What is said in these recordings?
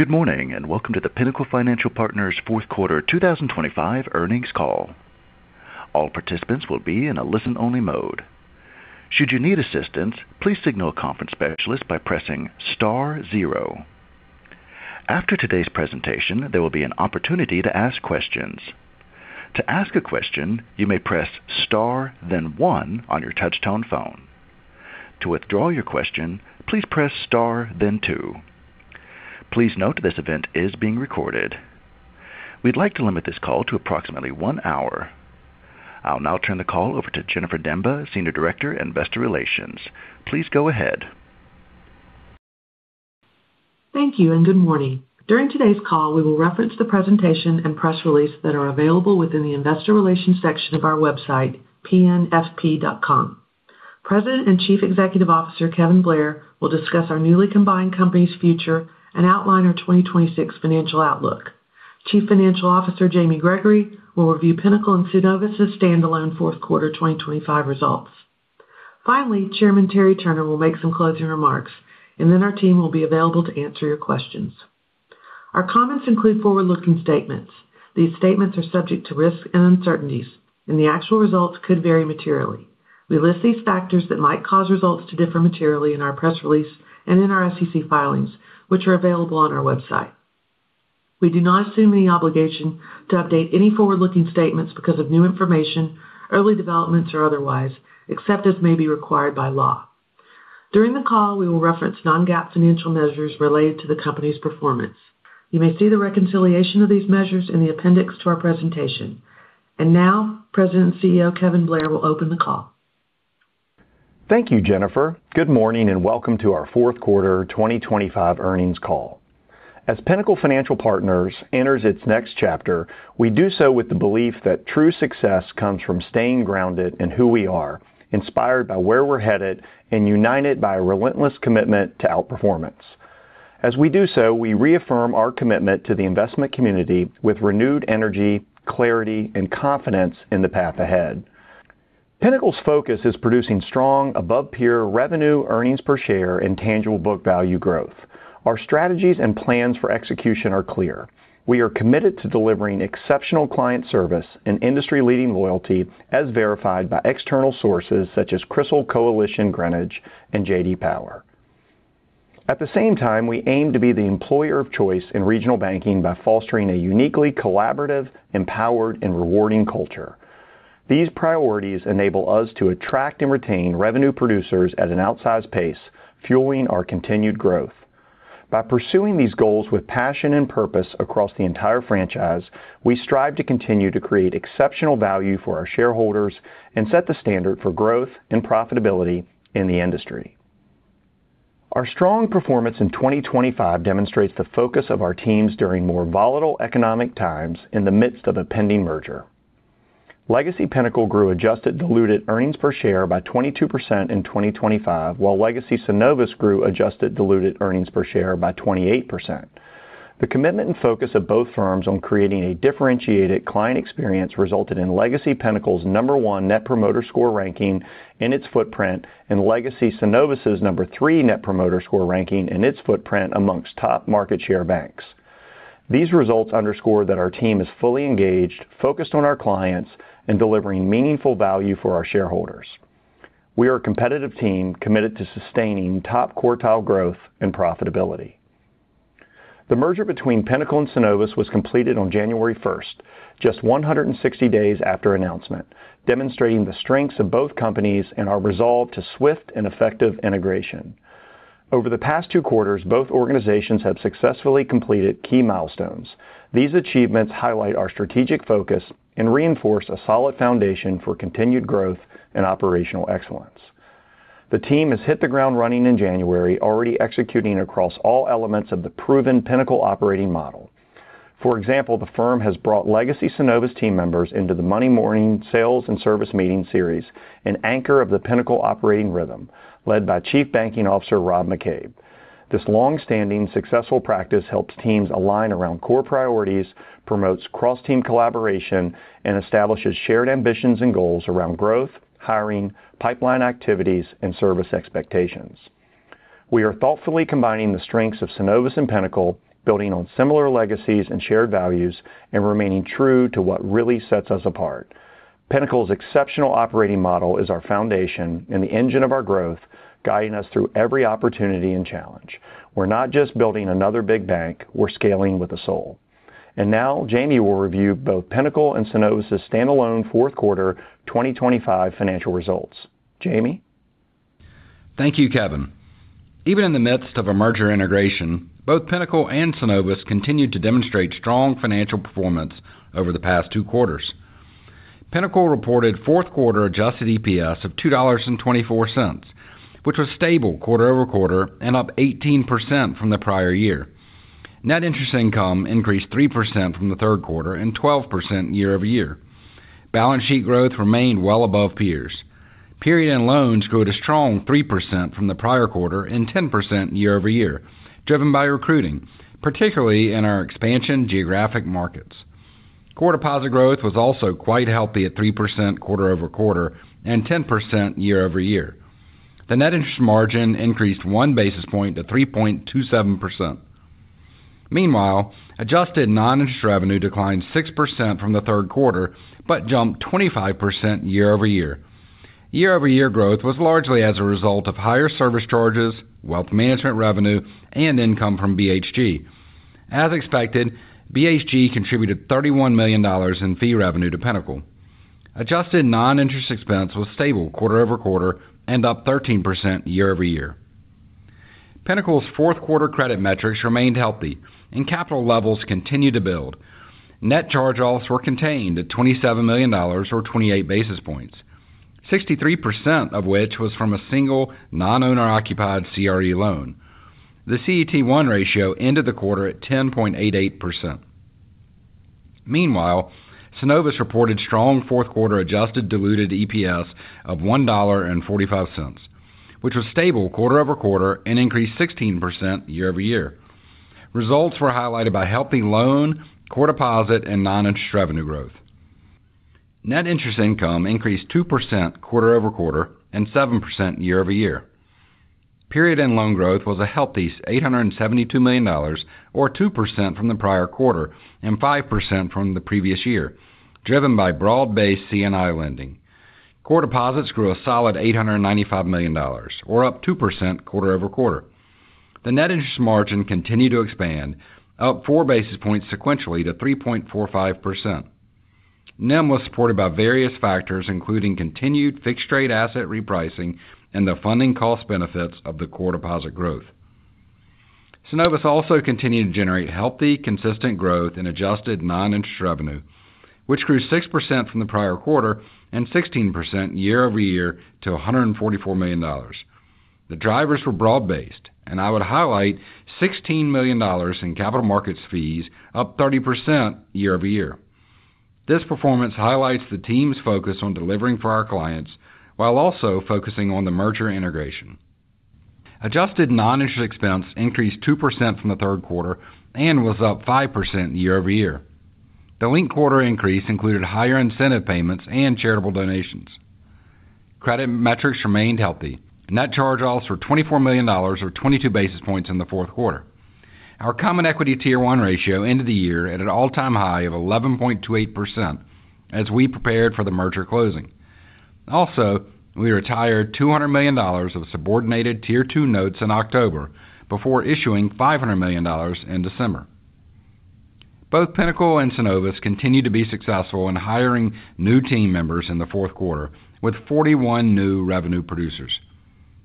Good morning and welcome to the Pinnacle Financial Partners' Q4 2025 earnings call. All participants will be in a listen-only mode. Should you need assistance, please signal a conference specialist by pressing star zero. After today's presentation, there will be an opportunity to ask questions. To ask a question, you may press star, then one on your touch-tone phone. To withdraw your question, please press star, then two. Please note this event is being recorded. We'd like to limit this call to approximately one hour. I'll now turn the call over to Jennifer Demba, Senior Director, Investor Relations. Please go ahead. Thank you and good morning. During today's call, we will reference the presentation and press release that are available within the investor relations section of our website, pnfp.com. President and Chief Executive Officer Kevin Blair will discuss our newly combined company's future and outline our 2026 financial outlook. Chief Financial Officer Jamie Gregory will review Pinnacle and Synovus' standalone Q4 2025 results. Finally, Chairman Terry Turner will make some closing remarks, and then our team will be available to answer your questions. Our comments include forward-looking statements. These statements are subject to risk and uncertainties, and the actual results could vary materially. We list these factors that might cause results to differ materially in our press release and in our SEC filings, which are available on our website. We do not assume any obligation to update any forward-looking statements because of new information, early developments, or otherwise, except as may be required by law. During the call, we will reference non-GAAP financial measures related to the company's performance. You may see the reconciliation of these measures in the appendix to our presentation. And now, President and CEO Kevin Blair will open the call. Thank you, Jennifer. Good morning and welcome to our Q4 2025 earnings call. As Pinnacle Financial Partners enters its next chapter, we do so with the belief that true success comes from staying grounded in who we are, inspired by where we're headed, and united by a relentless commitment to outperformance. As we do so, we reaffirm our commitment to the investment community with renewed energy, clarity, and confidence in the path ahead. Pinnacle's focus is producing strong, above-peer revenue, earnings per share, and tangible book value growth. Our strategies and plans for execution are clear. We are committed to delivering exceptional client service and industry-leading loyalty, as verified by external sources such as Coalition Greenwich and J.D. Power. At the same time, we aim to be the employer of choice in regional banking by fostering a uniquely collaborative, empowered, and rewarding culture. These priorities enable us to attract and retain revenue producers at an outsized pace, fueling our continued growth. By pursuing these goals with passion and purpose across the entire franchise, we strive to continue to create exceptional value for our shareholders and set the standard for growth and profitability in the industry. Our strong performance in 2025 demonstrates the focus of our teams during more volatile economic times in the midst of a pending merger. Legacy Pinnacle grew adjusted diluted earnings per share by 22% in 2025, while Legacy Synovus grew adjusted diluted earnings per share by 28%. The commitment and focus of both firms on creating a differentiated client experience resulted in Legacy Pinnacle's number one Net Promoter Score ranking in its footprint, and Legacy Synovus' number three Net Promoter Score ranking in its footprint amongst top market share banks. These results underscore that our team is fully engaged, focused on our clients, and delivering meaningful value for our shareholders. We are a competitive team committed to sustaining top quartile growth and profitability. The merger between Pinnacle and Synovus was completed on January 1st, just 160 days after announcement, demonstrating the strengths of both companies and our resolve to swift and effective integration. Over the past two quarters, both organizations have successfully completed key milestones. These achievements highlight our strategic focus and reinforce a solid foundation for continued growth and operational excellence. The team has hit the ground running in January, already executing across all elements of the proven Pinnacle operating model. For example, the firm has brought Legacy Synovus team members into the Monday morning sales and service meeting series, an anchor of the Pinnacle operating rhythm, led by Chief Banking Officer Rob McCabe. This long-standing, successful practice helps teams align around core priorities, promotes cross-team collaboration, and establishes shared ambitions and goals around growth, hiring, pipeline activities, and service expectations. We are thoughtfully combining the strengths of Synovus and Pinnacle, building on similar legacies and shared values, and remaining true to what really sets us apart. Pinnacle's exceptional operating model is our foundation and the engine of our growth, guiding us through every opportunity and challenge. We're not just building another big bank; we're scaling with a soul. And now, Jamie will review both Pinnacle and Synovus' standalone Q4 2025 financial results. Jamie? Thank you, Kevin. Even in the midst of a merger integration, both Pinnacle and Synovus continued to demonstrate strong financial performance over the past two quarters. Pinnacle reported Q4 Adjusted EPS of $2.24, which was stable quarter-over-quarter and up 18% from the prior year. Net interest income increased 3% from the Q3 and 12% year-over-year. Balance sheet growth remained well above peers. Period-end loans grew at a strong 3% from the prior quarter and 10% year-over-year, driven by recruiting, particularly in our expansion geographic markets. Core deposit growth was also quite healthy at 3% quarter-over-quarter and 10% year-over-year. The net interest margin increased one basis point to 3.27%. Meanwhile, adjusted non-interest revenue declined 6% from the Q3 but jumped 25% year-over-year. Year-over-year growth was largely as a result of higher service charges, wealth management revenue, and income from BHG. As expected, BHG contributed $31 million in fee revenue to Pinnacle. Adjusted non-interest expense was stable quarter-over-quarter and up 13% year-over-year. Pinnacle's Q4 credit metrics remained healthy, and capital levels continued to build. Net charge-offs were contained at $27 million, or 28 basis points, 63% of which was from a single non-owner-occupied CRE loan. The CET1 ratio ended the quarter at 10.88%. Meanwhile, Synovus reported strong Q4 adjusted diluted EPS of $1.45, which was stable quarter-over-quarter and increased 16% year-over-year. Results were highlighted by healthy loan, core deposit, and non-interest revenue growth. Net interest income increased 2% quarter-over-quarter and 7% year-over-year. Period-end loan growth was a healthy $872 million, or 2% from the prior quarter and 5% from the previous year, driven by broad-based C&I lending. Core deposits grew a solid $895 million, or up 2% quarter-over-quarter. The net interest margin continued to expand, up four basis points sequentially to 3.45%. NIM was supported by various factors, including continued fixed-rate asset repricing and the funding cost benefits of the core deposit growth. Synovus also continued to generate healthy, consistent growth in adjusted non-interest revenue, which grew 6% from the prior quarter and 16% year-over-year to $144 million. The drivers were broad-based, and I would highlight $16 million in capital markets fees, up 30% year-over-year. This performance highlights the team's focus on delivering for our clients while also focusing on the merger integration. Adjusted non-interest expense increased 2% from the Q3 and was up 5% year-over-year. The linked quarter increase included higher incentive payments and charitable donations. Credit metrics remained healthy. Net charge-offs were $24 million, or 22 basis points, in the Q4. Our common equity Tier One ratio ended the year at an all-time high of 11.28% as we prepared for the merger closing. Also, we retired $200 million of subordinated Tier Two notes in October before issuing $500 million in December. Both Pinnacle and Synovus continued to be successful in hiring new team members in the Q4, with 41 new revenue producers.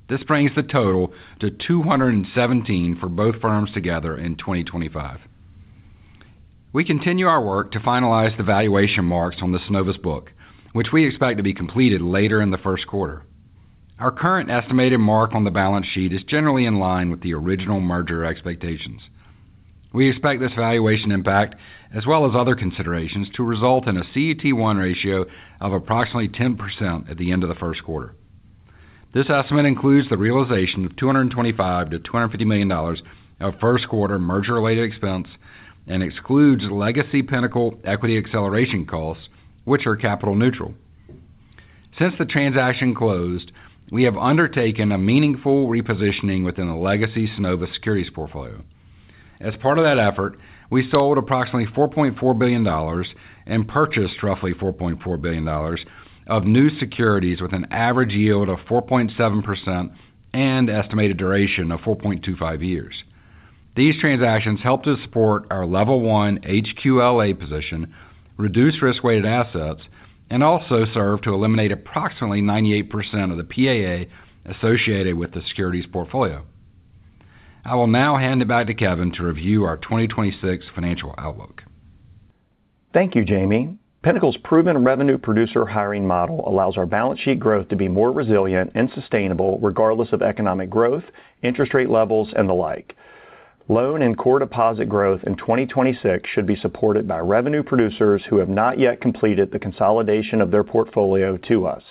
This brings the total to 217 for both firms together in 2025. We continue our work to finalize the valuation marks on the Synovus book, which we expect to be completed later in the Q1. Our current estimated mark on the balance sheet is generally in line with the original merger expectations. We expect this valuation impact, as well as other considerations, to result in a CET1 ratio of approximately 10% at the end of the Q1. This estimate includes the realization of $225 million-$250 million of Q1 merger-related expense and excludes legacy Pinnacle equity acceleration costs, which are capital neutral. Since the transaction closed, we have undertaken a meaningful repositioning within the legacy Synovus securities portfolio. As part of that effort, we sold approximately $4.4 billion and purchased roughly $4.4 billion of new securities with an average yield of 4.7% and estimated duration of 4.25 years. These transactions helped to support our Level one HQLA position, reduce risk-weighted assets, and also serve to eliminate approximately 98% of the PAA associated with the securities portfolio. I will now hand it back to Kevin to review our 2026 financial outlook. Thank you, Jamie. Pinnacle's proven revenue producer hiring model allows our balance sheet growth to be more resilient and sustainable regardless of economic growth, interest rate levels, and the like. Loan and core deposit growth in 2026 should be supported by revenue producers who have not yet completed the consolidation of their portfolio to us.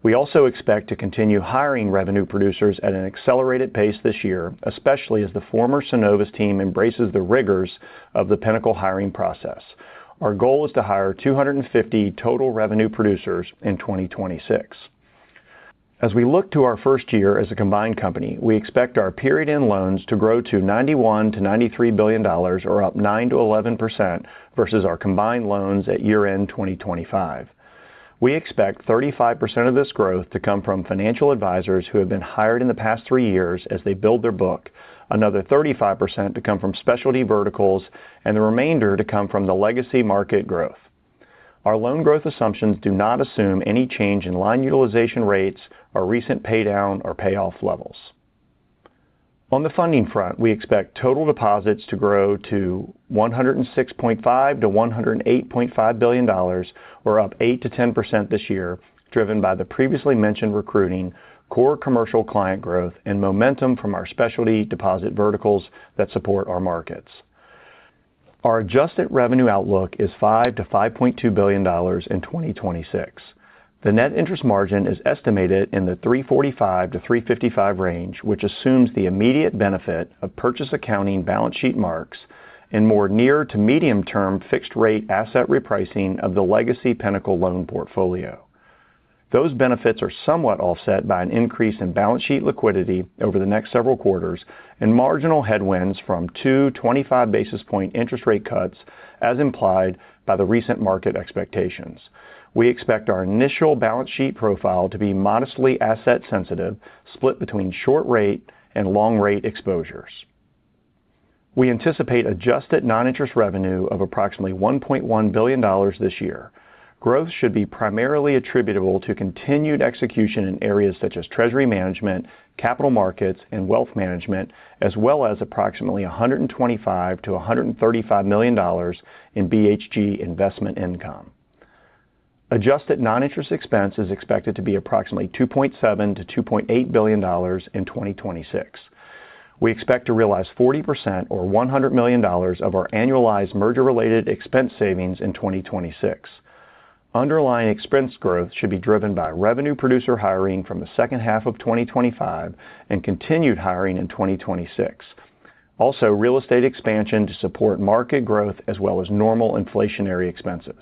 We also expect to continue hiring revenue producers at an accelerated pace this year, especially as the former Synovus team embraces the rigors of the Pinnacle hiring process. Our goal is to hire 250 total revenue producers in 2026. As we look to our first year as a combined company, we expect our period-end loans to grow to $91 billion-$93 billion, or up 9%-11% versus our combined loans at year-end 2025. We expect 35% of this growth to come from financial advisors who have been hired in the past three years as they build their book, another 35% to come from specialty verticals, and the remainder to come from the legacy market growth. Our loan growth assumptions do not assume any change in line utilization rates, our recent paydown, or payoff levels. On the funding front, we expect total deposits to grow to $106.5 billion-$108.5 billion, or up 8%-10% this year, driven by the previously mentioned recruiting, core commercial client growth, and momentum from our specialty deposit verticals that support our markets. Our adjusted revenue outlook is $5 billion-$5.2 billion in 2026. The net interest margin is estimated in the 345-355 range, which assumes the immediate benefit of purchase accounting balance sheet marks and more near- to medium-term fixed-rate asset repricing of the legacy Pinnacle loan portfolio. Those benefits are somewhat offset by an increase in balance sheet liquidity over the next several quarters and marginal headwinds from two 25 basis point interest rate cuts, as implied by the recent market expectations. We expect our initial balance sheet profile to be modestly asset-sensitive, split between short-rate and long-rate exposures. We anticipate adjusted non-interest revenue of approximately $1.1 billion this year. Growth should be primarily attributable to continued execution in areas such as treasury management, capital markets, and wealth management, as well as approximately $125 million-$135 million in BHG investment income. Adjusted non-interest expense is expected to be approximately $2.7 billion-$2.8 billion in 2026. We expect to realize 40% or $100 million of our annualized merger-related expense savings in 2026. Underlying expense growth should be driven by revenue producer hiring from the second half of 2025 and continued hiring in 2026, also real estate expansion to support market growth as well as normal inflationary expenses.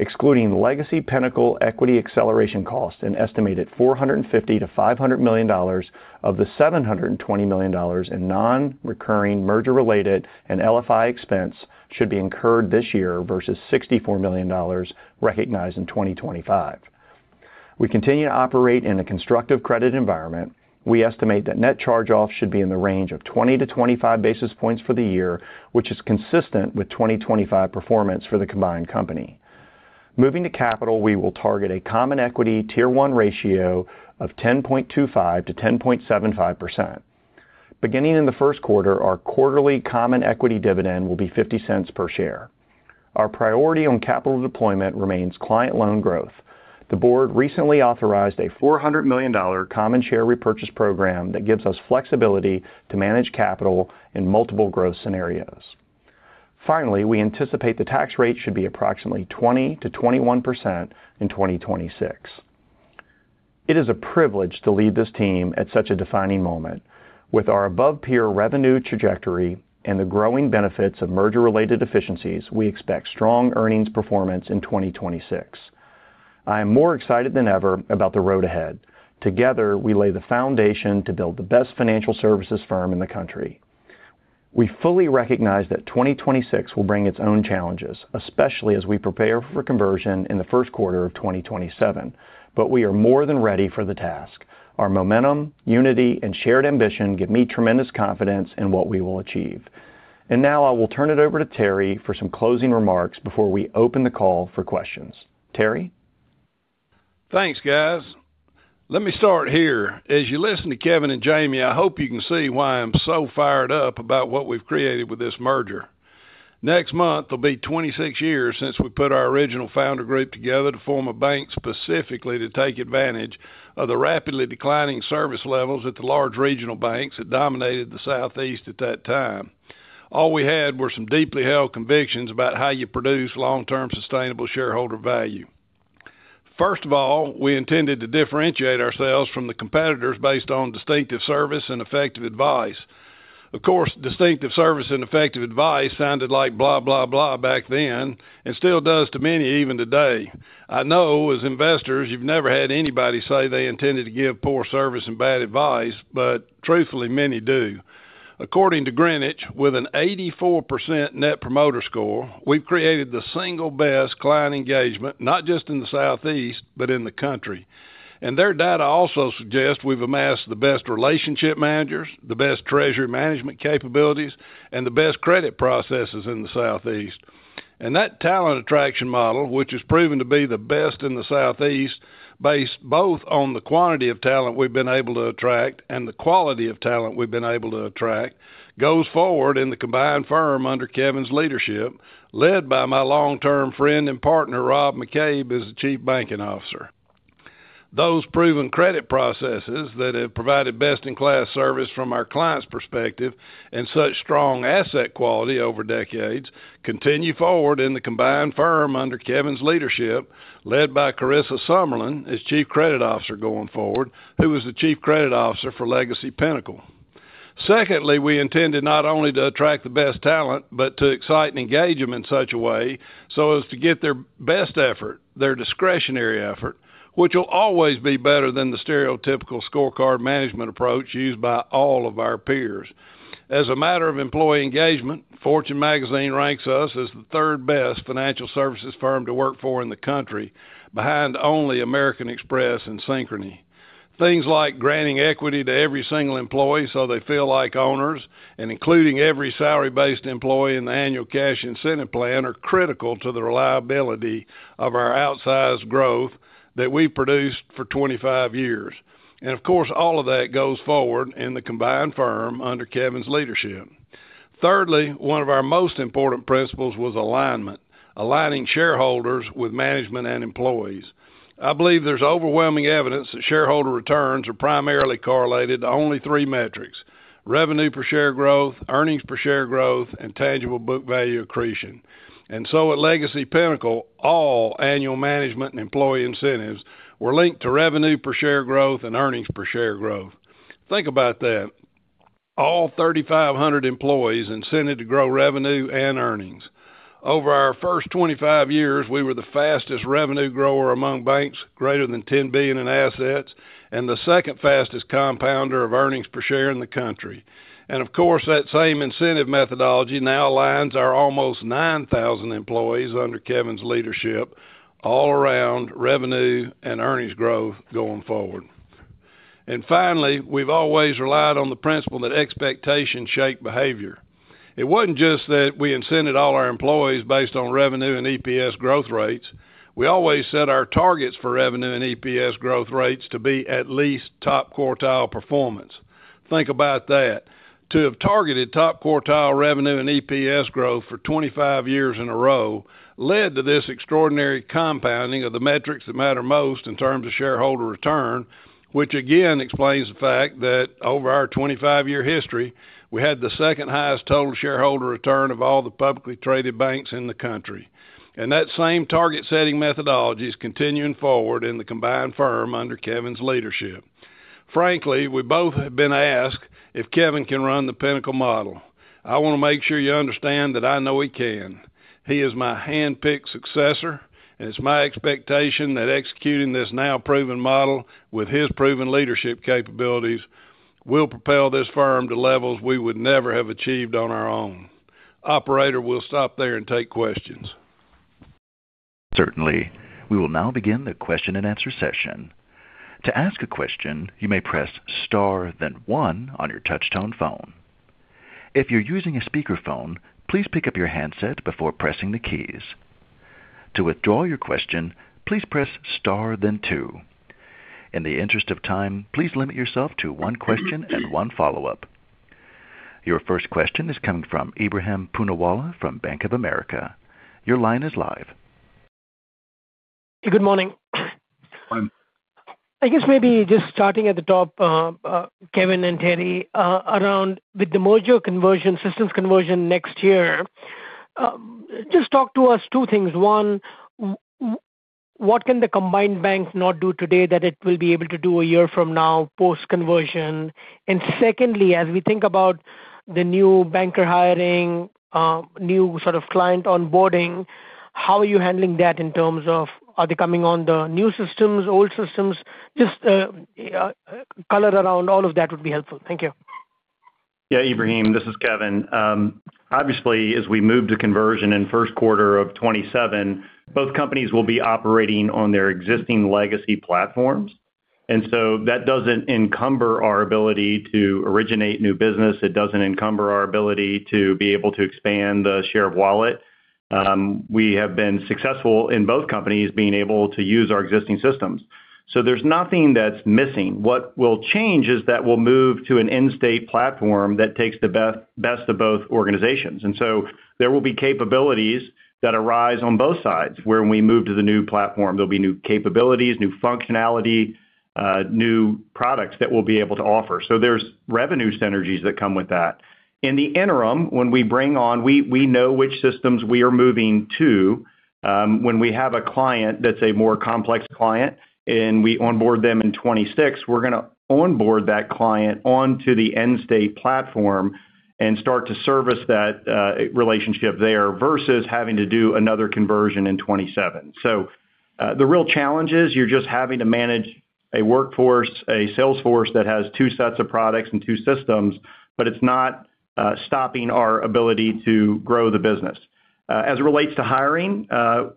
Excluding legacy Pinnacle equity acceleration cost, an estimated $450 million-$500 million of the $720 million in non-recurring merger-related and LFI expense should be incurred this year versus $64 million recognized in 2025. We continue to operate in a constructive credit environment. We estimate that net charge-off should be in the range of 20-25 basis points for the year, which is consistent with 2025 performance for the combined company. Moving to capital, we will target a Common Equity Tier One ratio of 10.25%-10.75%. Beginning in the Q1, our quarterly common equity dividend will be $0.50 per share. Our priority on capital deployment remains client loan growth. The Board recently authorized a $400 million common share repurchase program that gives us flexibility to manage capital in multiple growth scenarios. Finally, we anticipate the tax rate should be approximately 20%-21% in 2026. It is a privilege to lead this team at such a defining moment. With our above-peer revenue trajectory and the growing benefits of merger-related efficiencies, we expect strong earnings performance in 2026. I am more excited than ever about the road ahead. Together, we lay the foundation to build the best financial services firm in the country. We fully recognize that 2026 will bring its own challenges, especially as we prepare for conversion in the Q1 of 2027, but we are more than ready for the task. Our momentum, unity, and shared ambition give me tremendous confidence in what we will achieve. And now I will turn it over to Terry for some closing remarks before we open the call for questions. Terry? Thanks, guys. Let me start here. As you listen to Kevin and Jamie, I hope you can see why I'm so fired up about what we've created with this merger. Next month, it'll be 26 years since we put our original founder group together to form a bank specifically to take advantage of the rapidly declining service levels at the large regional banks that dominated the Southeast at that time. All we had were some deeply held convictions about how you produce long-term sustainable shareholder value. First of all, we intended to differentiate ourselves from the competitors based on distinctive service and effective advice. Of course, distinctive service and effective advice sounded like blah, blah, blah back then and still does to many even today. I know as investors, you've never had anybody say they intended to give poor service and bad advice, but truthfully, many do. According to Greenwich, with an 84% net promoter score, we've created the single best client engagement, not just in the Southeast, but in the country. Their data also suggests we've amassed the best relationship managers, the best treasury management capabilities, and the best credit processes in the Southeast. That talent attraction model, which has proven to be the best in the Southeast, based both on the quantity of talent we've been able to attract and the quality of talent we've been able to attract, goes forward in the combined firm under Kevin's leadership, led by my long-term friend and partner, Rob McCabe, as the Chief Banking Officer. Those proven credit processes that have provided best-in-class service from our client's perspective and such strong asset quality over decades continue forward in the combined firm under Kevin's leadership, led by Carissa Summerlin as Chief Credit Officer going forward, who was the Chief Credit Officer for legacy Pinnacle. Secondly, we intended not only to attract the best talent, but to excite and engage them in such a way so as to get their best effort, their discretionary effort, which will always be better than the stereotypical scorecard management approach used by all of our peers. As a matter of employee engagement, Fortune Magazine ranks us as the third best financial services firm to work for in the country, behind only American Express and Synchrony. Things like granting equity to every single employee so they feel like owners and including every salary-based employee in the annual cash incentive plan are critical to the reliability of our outsized growth that we've produced for 25 years, and of course, all of that goes forward in the combined firm under Kevin's leadership. Thirdly, one of our most important principles was alignment, aligning shareholders with management and employees. I believe there's overwhelming evidence that shareholder returns are primarily correlated to only three metrics: revenue per share growth, earnings per share growth, and tangible book value accretion, and so at legacy Pinnacle, all annual management and employee incentives were linked to revenue per share growth and earnings per share growth. Think about that. All 3,500 employees incented to grow revenue and earnings. Over our first 25 years, we were the fastest revenue grower among banks, greater than $10 billion in assets, and the second fastest compounder of earnings per share in the country. And of course, that same incentive methodology now aligns our almost 9,000 employees under Kevin's leadership all around revenue and earnings growth going forward. And finally, we've always relied on the principle that expectations shape behavior. It wasn't just that we incented all our employees based on revenue and EPS growth rates. We always set our targets for revenue and EPS growth rates to be at least top quartile performance. Think about that. To have targeted top quartile revenue and EPS growth for 25 years in a row led to this extraordinary compounding of the metrics that matter most in terms of shareholder return, which again explains the fact that over our 25-year history, we had the second highest total shareholder return of all the publicly traded banks in the country, and that same target-setting methodology is continuing forward in the combined firm under Kevin's leadership. Frankly, we both have been asked if Kevin can run the Pinnacle model. I want to make sure you understand that I know he can. He is my handpicked successor, and it's my expectation that executing this now proven model with his proven leadership capabilities will propel this firm to levels we would never have achieved on our own. Operator, we'll stop there and take questions. Certainly. We will now begin the question and answer session. To ask a question, you may press star, then one on your touch-tone phone. If you're using a speakerphone, please pick up your handset before pressing the keys. To withdraw your question, please press star, then two. In the interest of time, please limit yourself to one question and one follow-up. Your first question is coming from Ebrahim Poonawala from Bank of America. Your line is live. Good morning. Morning. I guess maybe just starting at the top, Kevin and Terry, around with the merger conversion, systems conversion next year, just talk to us two things. One, what can the combined bank not do today that it will be able to do a year from now post-conversion? And secondly, as we think about the new banker hiring, new sort of client onboarding, how are you handling that in terms of are they coming on the new systems, old systems? Just color around all of that would be helpful. Thank you. Yeah, Ebrahim, this is Kevin. Obviously, as we move to conversion in Q1 of 2027, both companies will be operating on their existing legacy platforms. And so that doesn't encumber our ability to originate new business. It doesn't encumber our ability to be able to expand the share of wallet. We have been successful in both companies being able to use our existing systems. So there's nothing that's missing. What will change is that we'll move to an nCino platform that takes the best of both organizations. And so there will be capabilities that arise on both sides. When we move to the new platform, there'll be new capabilities, new functionality, new products that we'll be able to offer. So there's revenue synergies that come with that. In the interim, when we bring on, we know which systems we are moving to. When we have a client that's a more complex client and we onboard them in 2026, we're going to onboard that client onto the end-state platform and start to service that relationship there versus having to do another conversion in 2027. So the real challenge is you're just having to manage a workforce, a salesforce that has two sets of products and two systems, but it's not stopping our ability to grow the business. As it relates to hiring,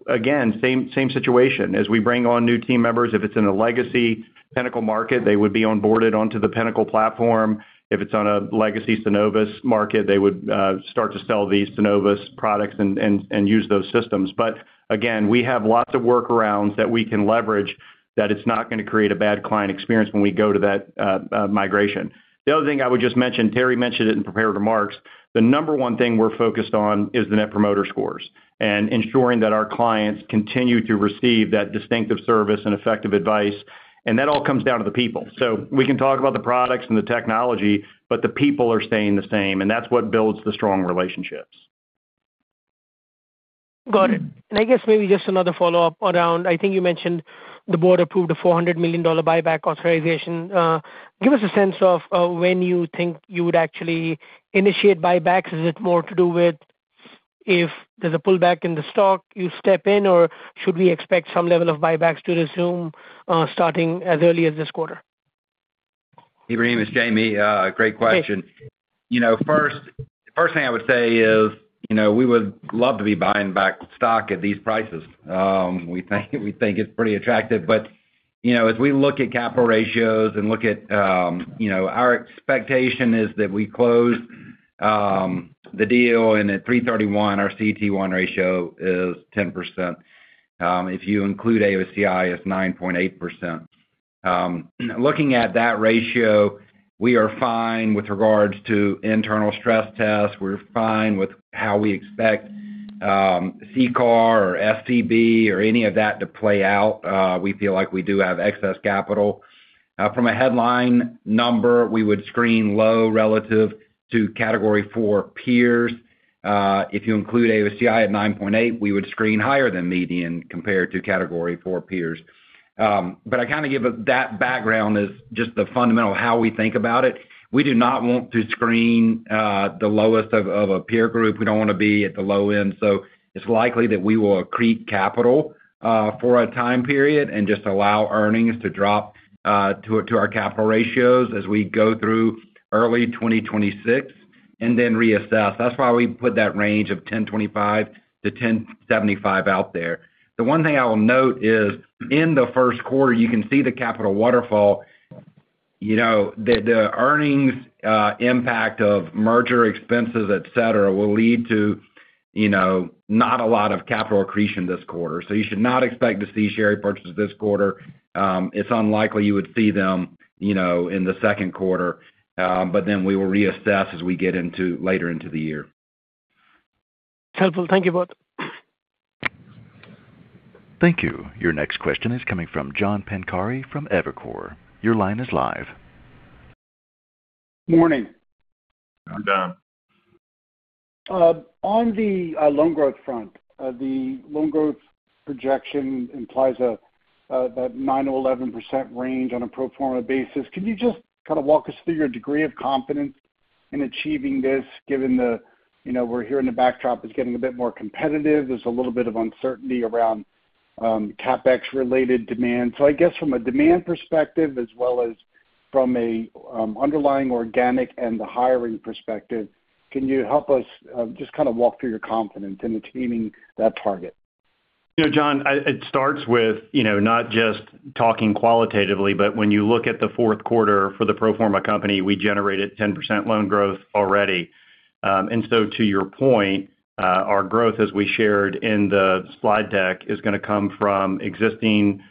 again, same situation. As we bring on new team members, if it's in a legacy Pinnacle market, they would be onboarded onto the Pinnacle platform. If it's on a legacy Synovus market, they would start to sell these Synovus products and use those systems. But again, we have lots of workarounds that we can leverage that it's not going to create a bad client experience when we go to that migration. The other thing I would just mention. Terry mentioned it in prepared remarks. The number one thing we're focused on is the net promoter scores and ensuring that our clients continue to receive that distinctive service and effective advice. That all comes down to the people. We can talk about the products and the technology, but the people are staying the same. That's what builds the strong relationships. Got it. And I guess maybe just another follow-up around, I think you mentioned the board approved a $400 million buyback authorization. Give us a sense of when you think you would actually initiate buybacks. Is it more to do with if there's a pullback in the stock, you step in, or should we expect some level of buybacks to resume starting as early as this quarter? Ebrahim, it's Jamie. Great question. First thing I would say is we would love to be buying back stock at these prices. We think it's pretty attractive. But as we look at capital ratios and look at our expectation is that we close the deal and at 331, our CET1 ratio is 10%. If you include AOCI, it's 9.8%. Looking at that ratio, we are fine with regards to internal stress tests. We're fine with how we expect CCAR or SCB or any of that to play out. We feel like we do have excess capital. From a headline number, we would screen low relative to Category Four peers. If you include AOCI at 9.8%, we would screen higher than median compared to Category Four peers. But I kind of give that background as just the fundamental how we think about it. We do not want to screen the lowest of a peer group. We don't want to be at the low end. So it's likely that we will accrete capital for a time period and just allow earnings to drop to our capital ratios as we go through early 2026 and then reassess. That's why we put that range of 1025 to 1075 out there. The one thing I will note is in the Q1, you can see the capital waterfall, the earnings impact of merger expenses, etc., will lead to not a lot of capital accretion this quarter. So you should not expect to see share purchases this quarter. It's unlikely you would see them in the Q2, but then we will reassess as we get into later into the year. Helpful. Thank you, Both. Thank you. Your next question is coming from John Pancari from Evercore ISI. Your line is live. Morning. I'm done. On the loan growth front, the loan growth projection implies that 9%-11% range on a pro forma basis. Can you just kind of walk us through your degree of confidence in achieving this given that we're hearing the backdrop is getting a bit more competitive? There's a little bit of uncertainty around CapEx-related demand. So I guess from a demand perspective as well as from an underlying organic and the hiring perspective, can you help us just kind of walk through your confidence in achieving that target? John, it starts with not just talking qualitatively, but when you look at the Q4 for the pro forma company, we generated 10% loan growth already, and so to your point, our growth, as we shared in the slide deck, is going to come from existing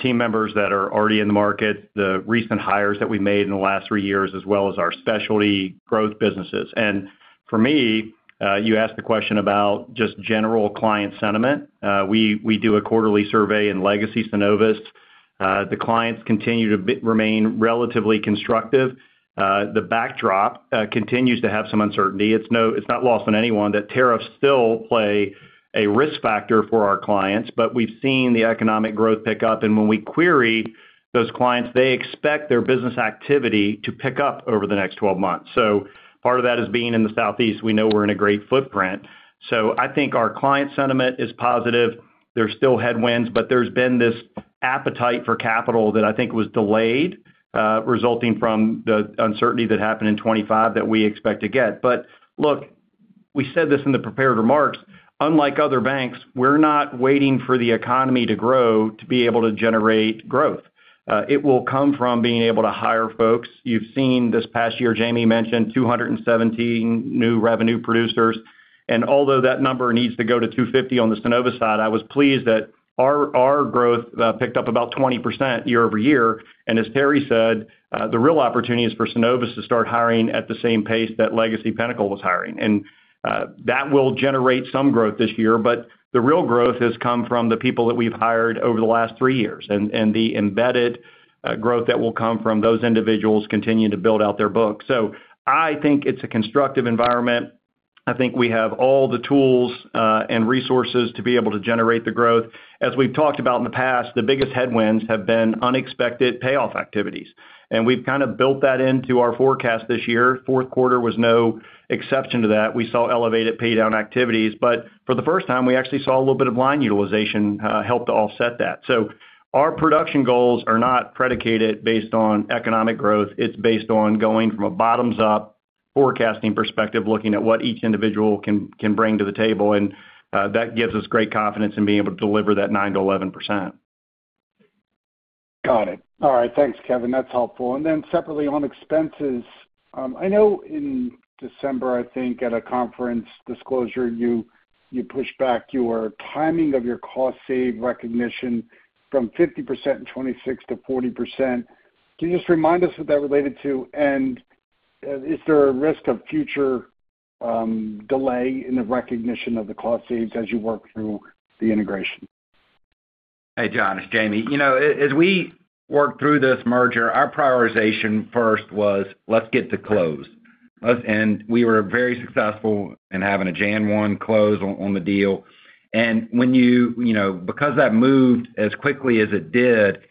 team members that are already in the market, the recent hires that we made in the last three years, as well as our specialty growth businesses, and for me, you asked the question about just general client sentiment. We do a quarterly survey in legacy Synovus. The clients continue to remain relatively constructive. The backdrop continues to have some uncertainty. It's not lost on anyone that tariffs still play a risk factor for our clients, but we've seen the economic growth pick up, and when we query those clients, they expect their business activity to pick up over the next 12 months. Part of that is being in the Southeast. We know we're in a great footprint. I think our client sentiment is positive. There's still headwinds, but there's been this appetite for capital that I think was delayed resulting from the uncertainty that happened in 2025 that we expect to get. But look, we said this in the prepared remarks, unlike other banks, we're not waiting for the economy to grow to be able to generate growth. It will come from being able to hire folks. You've seen this past year, Jamie mentioned 270 new revenue producers. Although that number needs to go to 250 on the Synovus side, I was pleased that our growth picked up about 20% year-over-year. As Terry said, the real opportunity is for Synovus to start hiring at the same pace that legacy Pinnacle was hiring. And that will generate some growth this year, but the real growth has come from the people that we've hired over the last three years and the embedded growth that will come from those individuals continuing to build out their books. So I think it's a constructive environment. I think we have all the tools and resources to be able to generate the growth. As we've talked about in the past, the biggest headwinds have been unexpected payoff activities. And we've kind of built that into our forecast this year. Q4 was no exception to that. We saw elevated paydown activities. But for the first time, we actually saw a little bit of line utilization help to offset that. So our production goals are not predicated based on economic growth. It's based on going from a bottoms-up forecasting perspective, looking at what each individual can bring to the table. That gives us great confidence in being able to deliver that 9%-11%. Got it. All right. Thanks, Kevin. That's helpful. And then separately on expenses, I know in December, I think at a conference disclosure, you pushed back your timing of your cost savings recognition from 50% in 2026 to 40%. Can you just remind us what that related to? And is there a risk of future delay in the recognition of the cost savings as you work through the integration? Hey, John, it's Jamie. As we worked through this merger, our prioritization first was, let's get to close, and we were very successful in having a January 1 close on the deal, and because that moved as quickly as it did,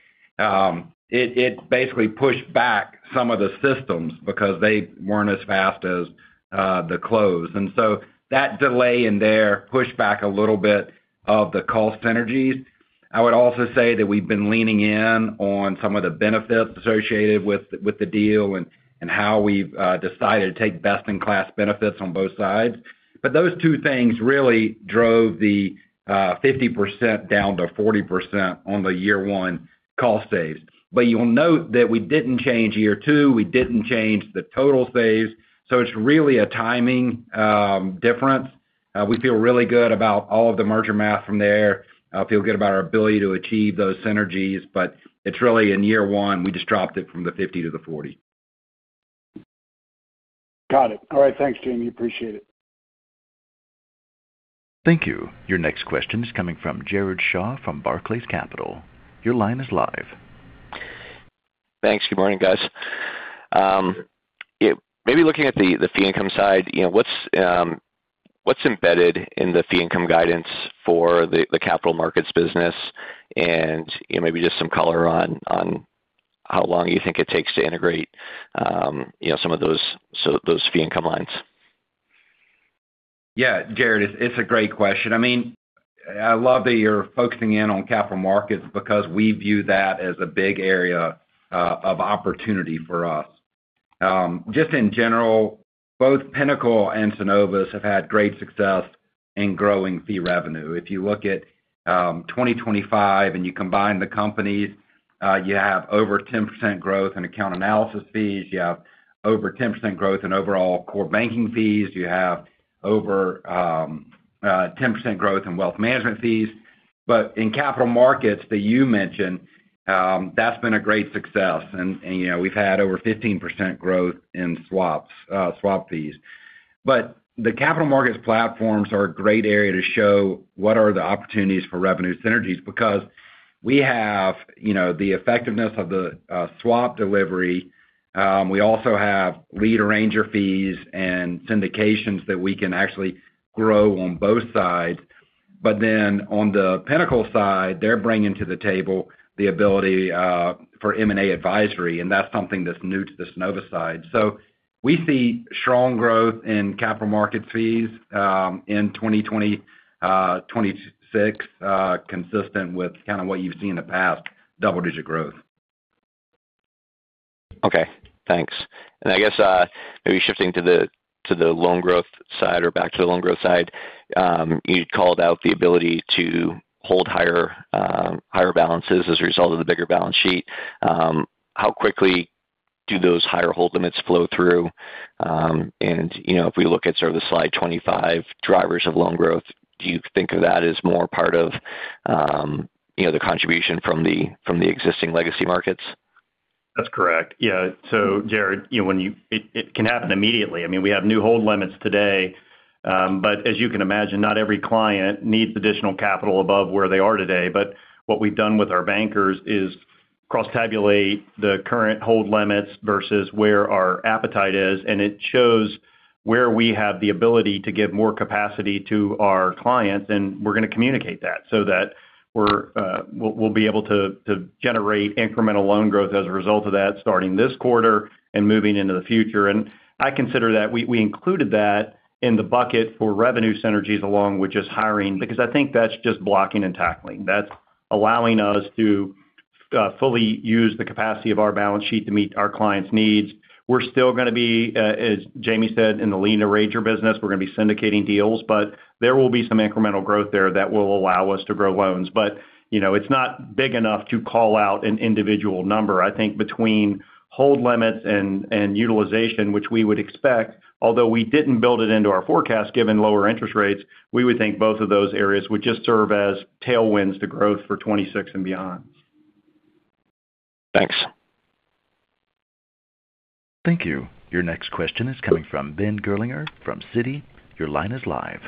it basically pushed back some of the systems because they weren't as fast as the close. And so that delay in there pushed back a little bit of the cost synergies. I would also say that we've been leaning in on some of the benefits associated with the deal and how we've decided to take best-in-class benefits on both sides, but those two things really drove the 50% down to 40% on the year one cost saves, but you'll note that we didn't change year two. We didn't change the total saves, so it's really a timing difference. We feel really good about all of the merger math from there. I feel good about our ability to achieve those synergies. But it's really in year one, we just dropped it from the 50 to the 40. Got it. All right. Thanks, Jamie. Appreciate it. Thank you. Your next question is coming from Jared Shaw from Barclays Capital. Your line is live. Thanks. Good morning, guys. Maybe looking at the fee income side, what's embedded in the fee income guidance for the capital markets business? And maybe just some color on how long you think it takes to integrate some of those fee income lines? Yeah, Jared, it's a great question. I mean, I love that you're focusing in on capital markets because we view that as a big area of opportunity for us. Just in general, both Pinnacle and Synovus have had great success in growing fee revenue. If you look at 2025 and you combine the companies, you have over 10% growth in account analysis fees. You have over 10% growth in overall core banking fees. You have over 10% growth in wealth management fees, but in capital markets that you mentioned, that's been a great success, and we've had over 15% growth in swap fees. But the capital markets platforms are a great area to show what are the opportunities for revenue synergies because we have the effectiveness of the swap delivery. We also have lead arranger fees and syndications that we can actually grow on both sides. But then on the Pinnacle side, they're bringing to the table the ability for M&A advisory. And that's something that's new to the Synovus side. So we see strong growth in capital markets fees in 2026, consistent with kind of what you've seen in the past, double-digit growth. Okay. Thanks. And I guess maybe shifting to the loan growth side or back to the loan growth side, you called out the ability to hold higher balances as a result of the bigger balance sheet. How quickly do those higher hold limits flow through? And if we look at sort of the slide 25, drivers of loan growth, do you think of that as more part of the contribution from the existing legacy markets? That's correct. Yeah. So Jared, it can happen immediately. I mean, we have new hold limits today. But as you can imagine, not every client needs additional capital above where they are today. But what we've done with our bankers is cross-tabulate the current hold limits versus where our appetite is. And it shows where we have the ability to give more capacity to our clients. And we're going to communicate that so that we'll be able to generate incremental loan growth as a result of that starting this quarter and moving into the future. And I consider that we included that in the bucket for revenue synergies along with just hiring because I think that's just blocking and tackling. That's allowing us to fully use the capacity of our balance sheet to meet our clients' needs. We're still going to be, as Jamie said, in the lead arranger business. We're going to be syndicating deals, but there will be some incremental growth there that will allow us to grow loans. But it's not big enough to call out an individual number. I think between hold limits and utilization, which we would expect, although we didn't build it into our forecast, given lower interest rates, we would think both of those areas would just serve as tailwinds to growth for 2026 and beyond. Thanks. Thank you. Your next question is coming from Ben Gerlinger from Citi. Your line is live.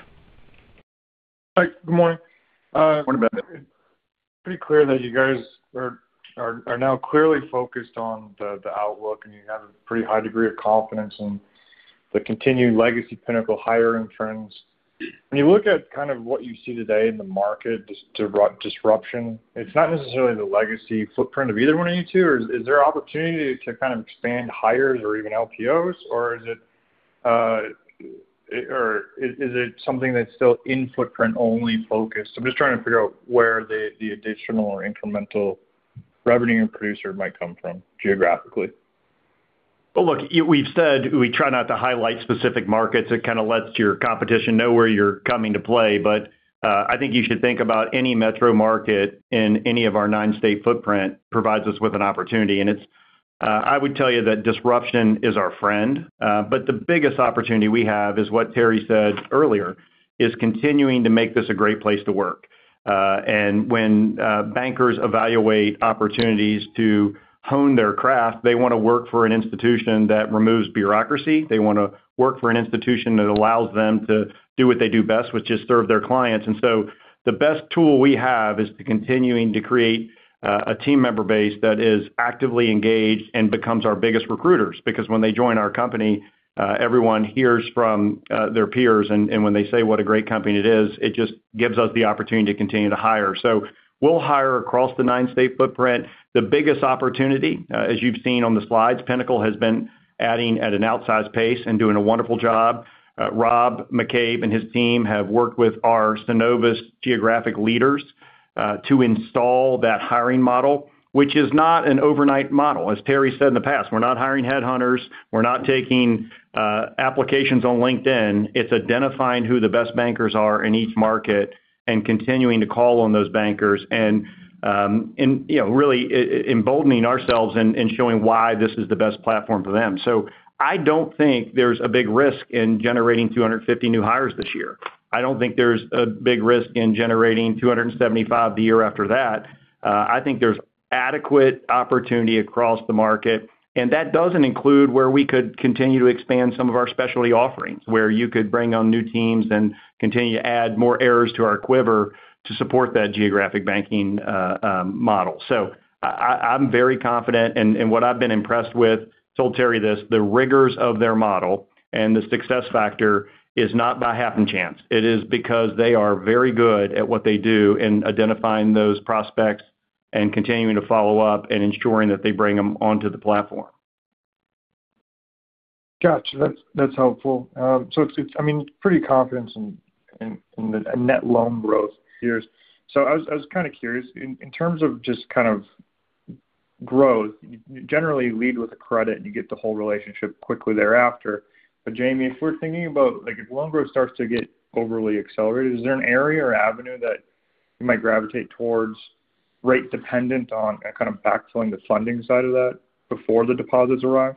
Hi. Good morning. Morning, Ben. Pretty clear that you guys are now clearly focused on the outlook, and you have a pretty high degree of confidence in the continued legacy Pinnacle hiring trends. When you look at kind of what you see today in the market disruption, it's not necessarily the legacy footprint of either one of you two. Is there an opportunity to kind of expand hires or even LPOs, or is it something that's still in-footprint only focused? I'm just trying to figure out where the additional or incremental revenue producer might come from geographically. Look, we've said we try not to highlight specific markets. It kind of lets your competition know where you're coming to play, but I think you should think about any metro market in any of our nine-state footprint provides us with an opportunity, and I would tell you that disruption is our friend, but the biggest opportunity we have is what Terry said earlier, is continuing to make this a great place to work, and when bankers evaluate opportunities to hone their craft, they want to work for an institution that removes bureaucracy. They want to work for an institution that allows them to do what they do best, which is serve their clients, and so the best tool we have is continuing to create a team member base that is actively engaged and becomes our biggest recruiters because when they join our company, everyone hears from their peers. When they say what a great company it is, it just gives us the opportunity to continue to hire. So we'll hire across the nine-state footprint. The biggest opportunity, as you've seen on the slides, Pinnacle has been adding at an outsized pace and doing a wonderful job. Rob McCabe and his team have worked with our Synovus geographic leaders to install that hiring model, which is not an overnight model. As Terry said in the past, we're not hiring headhunters. We're not taking applications on LinkedIn. It's identifying who the best bankers are in each market and continuing to call on those bankers and really emboldening ourselves and showing why this is the best platform for them. So I don't think there's a big risk in generating 250 new hires this year. I don't think there's a big risk in generating 275 the year after that. I think there's adequate opportunity across the market, and that doesn't include where we could continue to expand some of our specialty offerings, where you could bring on new teams and continue to add more arrows to our quiver to support that geographic banking model. So I'm very confident, and what I've been impressed with, told Terry this, the rigors of their model and the success factor is not by happenstance. It is because they are very good at what they do in identifying those prospects and continuing to follow up and ensuring that they bring them onto the platform. Gotcha. That's helpful. So I mean, pretty confident in the net loan growth. So I was kind of curious, in terms of just kind of growth, you generally lead with a credit, and you get the whole relationship quickly thereafter. But Jamie, if we're thinking about if loan growth starts to get overly accelerated, is there an area or avenue that you might gravitate towards rate-dependent on kind of backfilling the funding side of that before the deposits arrive?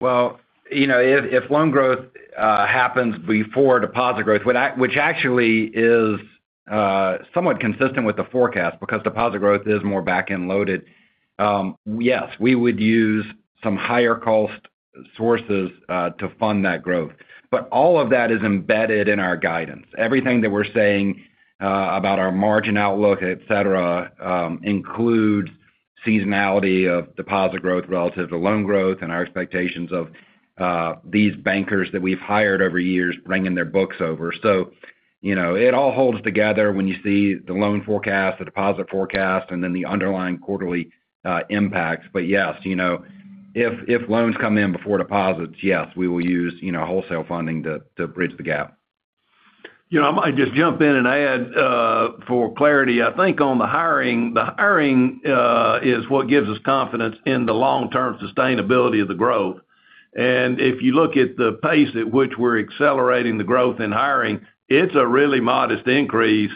Well, if loan growth happens before deposit growth, which actually is somewhat consistent with the forecast because deposit growth is more back-end loaded, yes, we would use some higher cost sources to fund that growth. But all of that is embedded in our guidance. Everything that we're saying about our margin outlook, etc., includes seasonality of deposit growth relative to loan growth and our expectations of these bankers that we've hired over years bringing their books over. So it all holds together when you see the loan forecast, the deposit forecast, and then the underlying quarterly impacts. But yes, if loans come in before deposits, yes, we will use wholesale funding to bridge the gap. I might just jump in and add for clarity. I think on the hiring, the hiring is what gives us confidence in the long-term sustainability of the growth. And if you look at the pace at which we're accelerating the growth in hiring, it's a really modest increase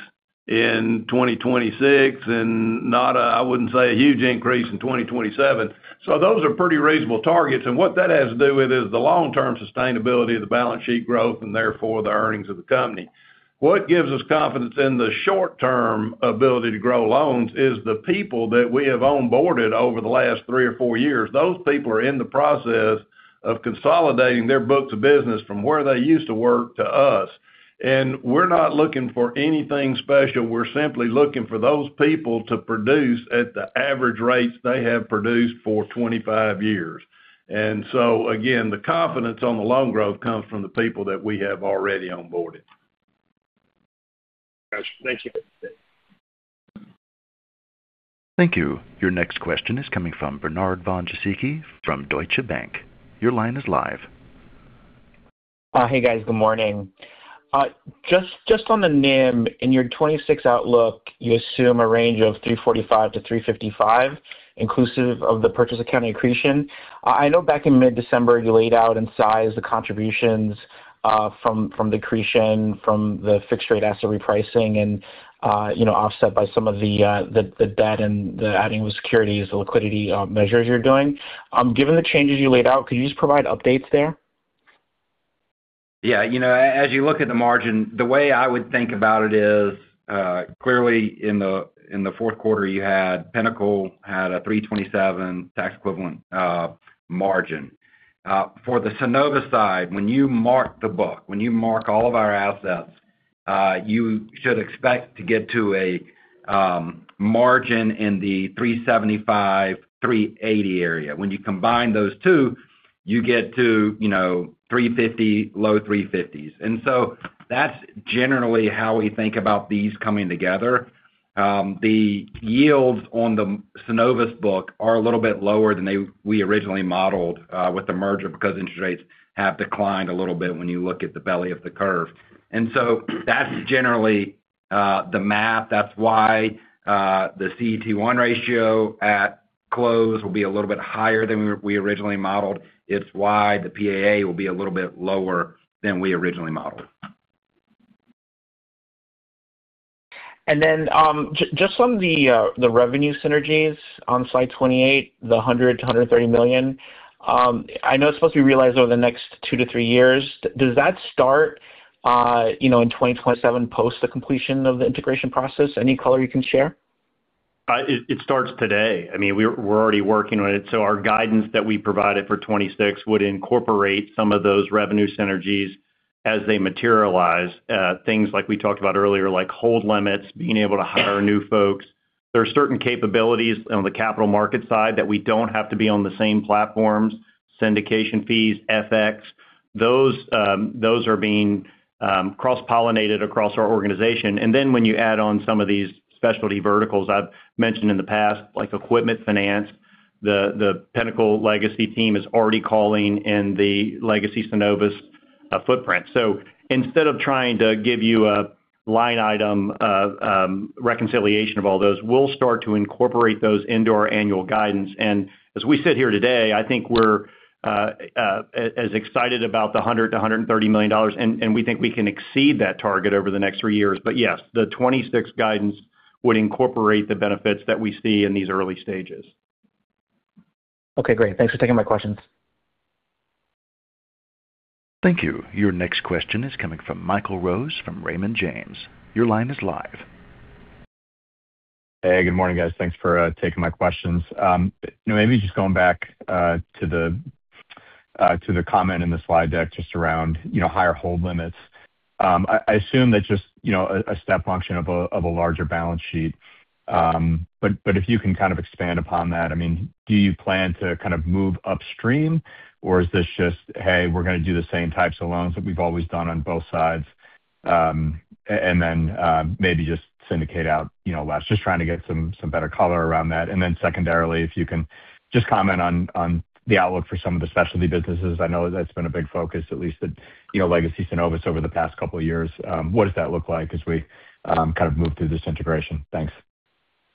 in 2026 and not a, I wouldn't say, a huge increase in 2027. So those are pretty reasonable targets. And what that has to do with is the long-term sustainability of the balance sheet growth and therefore the earnings of the company. What gives us confidence in the short-term ability to grow loans is the people that we have onboarded over the last three or four years. Those people are in the process of consolidating their books of business from where they used to work to us. And we're not looking for anything special. We're simply looking for those people to produce at the average rates they have produced for 25 years, and so again, the confidence on the loan growth comes from the people that we have already onboarded. Gotcha. Thank you. Thank you. Your next question is coming from Bernard von Gizycki from Deutsche Bank. Your line is live. Hi, guys. Good morning. Just on the NIM, in your 2026 outlook, you assume a range of 345-355, inclusive of the purchase accounting accretion. I know back in mid-December, you laid out in slides the contributions from the accretion, from the fixed-rate asset repricing, and offset by some of the debt and the adding of securities, the liquidity measures you're doing. Given the changes you laid out, could you just provide updates there? Yeah. As you look at the margin, the way I would think about it is clearly in the Q4, you had Pinnacle had a 3.27% tax-equivalent margin. For the Synovus side, when you mark the book, when you mark all of our assets, you should expect to get to a margin in the 3.75%-3.80% area. When you combine those two, you get to 3.50%, low 3.50s. And so that's generally how we think about these coming together. The yields on the Synovus book are a little bit lower than we originally modeled with the merger because interest rates have declined a little bit when you look at the belly of the curve. And so that's generally the math. That's why the CET1 ratio at close will be a little bit higher than we originally modeled. It's why the PAA will be a little bit lower than we originally modeled. And then just on the revenue synergies on slide 28, the $100 million-$130 million, I know it's supposed to be realized over the next two to three years. Does that start in 2027 post the completion of the integration process? Any color you can share? It starts today. I mean, we're already working on it. So our guidance that we provided for 2026 would incorporate some of those revenue synergies as they materialize. Things like we talked about earlier, like hold limits, being able to hire new folks. There are certain capabilities on the capital market side that we don't have to be on the same platforms. Syndication fees, FX, those are being cross-pollinated across our organization. And then when you add on some of these specialty verticals I've mentioned in the past, like equipment finance, the Pinnacle legacy team is already calling in the legacy Synovus footprint. So instead of trying to give you a line item reconciliation of all those, we'll start to incorporate those into our annual guidance. As we sit here today, I think we're as excited about the $100 million-$130 million, and we think we can exceed that target over the next three years. Yes, the 2026 guidance would incorporate the benefits that we see in these early stages. Okay. Great. Thanks for taking my questions. Thank you. Your next question is coming from Michael Rose from Raymond James. Your line is live. Hey, good morning, guys. Thanks for taking my questions. Maybe just going back to the comment in the slide deck just around higher hold limits. I assume that's just a step function of a larger balance sheet. But if you can kind of expand upon that, I mean, do you plan to kind of move upstream, or is this just, "Hey, we're going to do the same types of loans that we've always done on both sides," and then maybe just syndicate out less? Just trying to get some better color around that. And then secondarily, if you can just comment on the outlook for some of the specialty businesses. I know that's been a big focus, at least at legacy Synovus over the past couple of years. What does that look like as we kind of move through this integration? Thanks.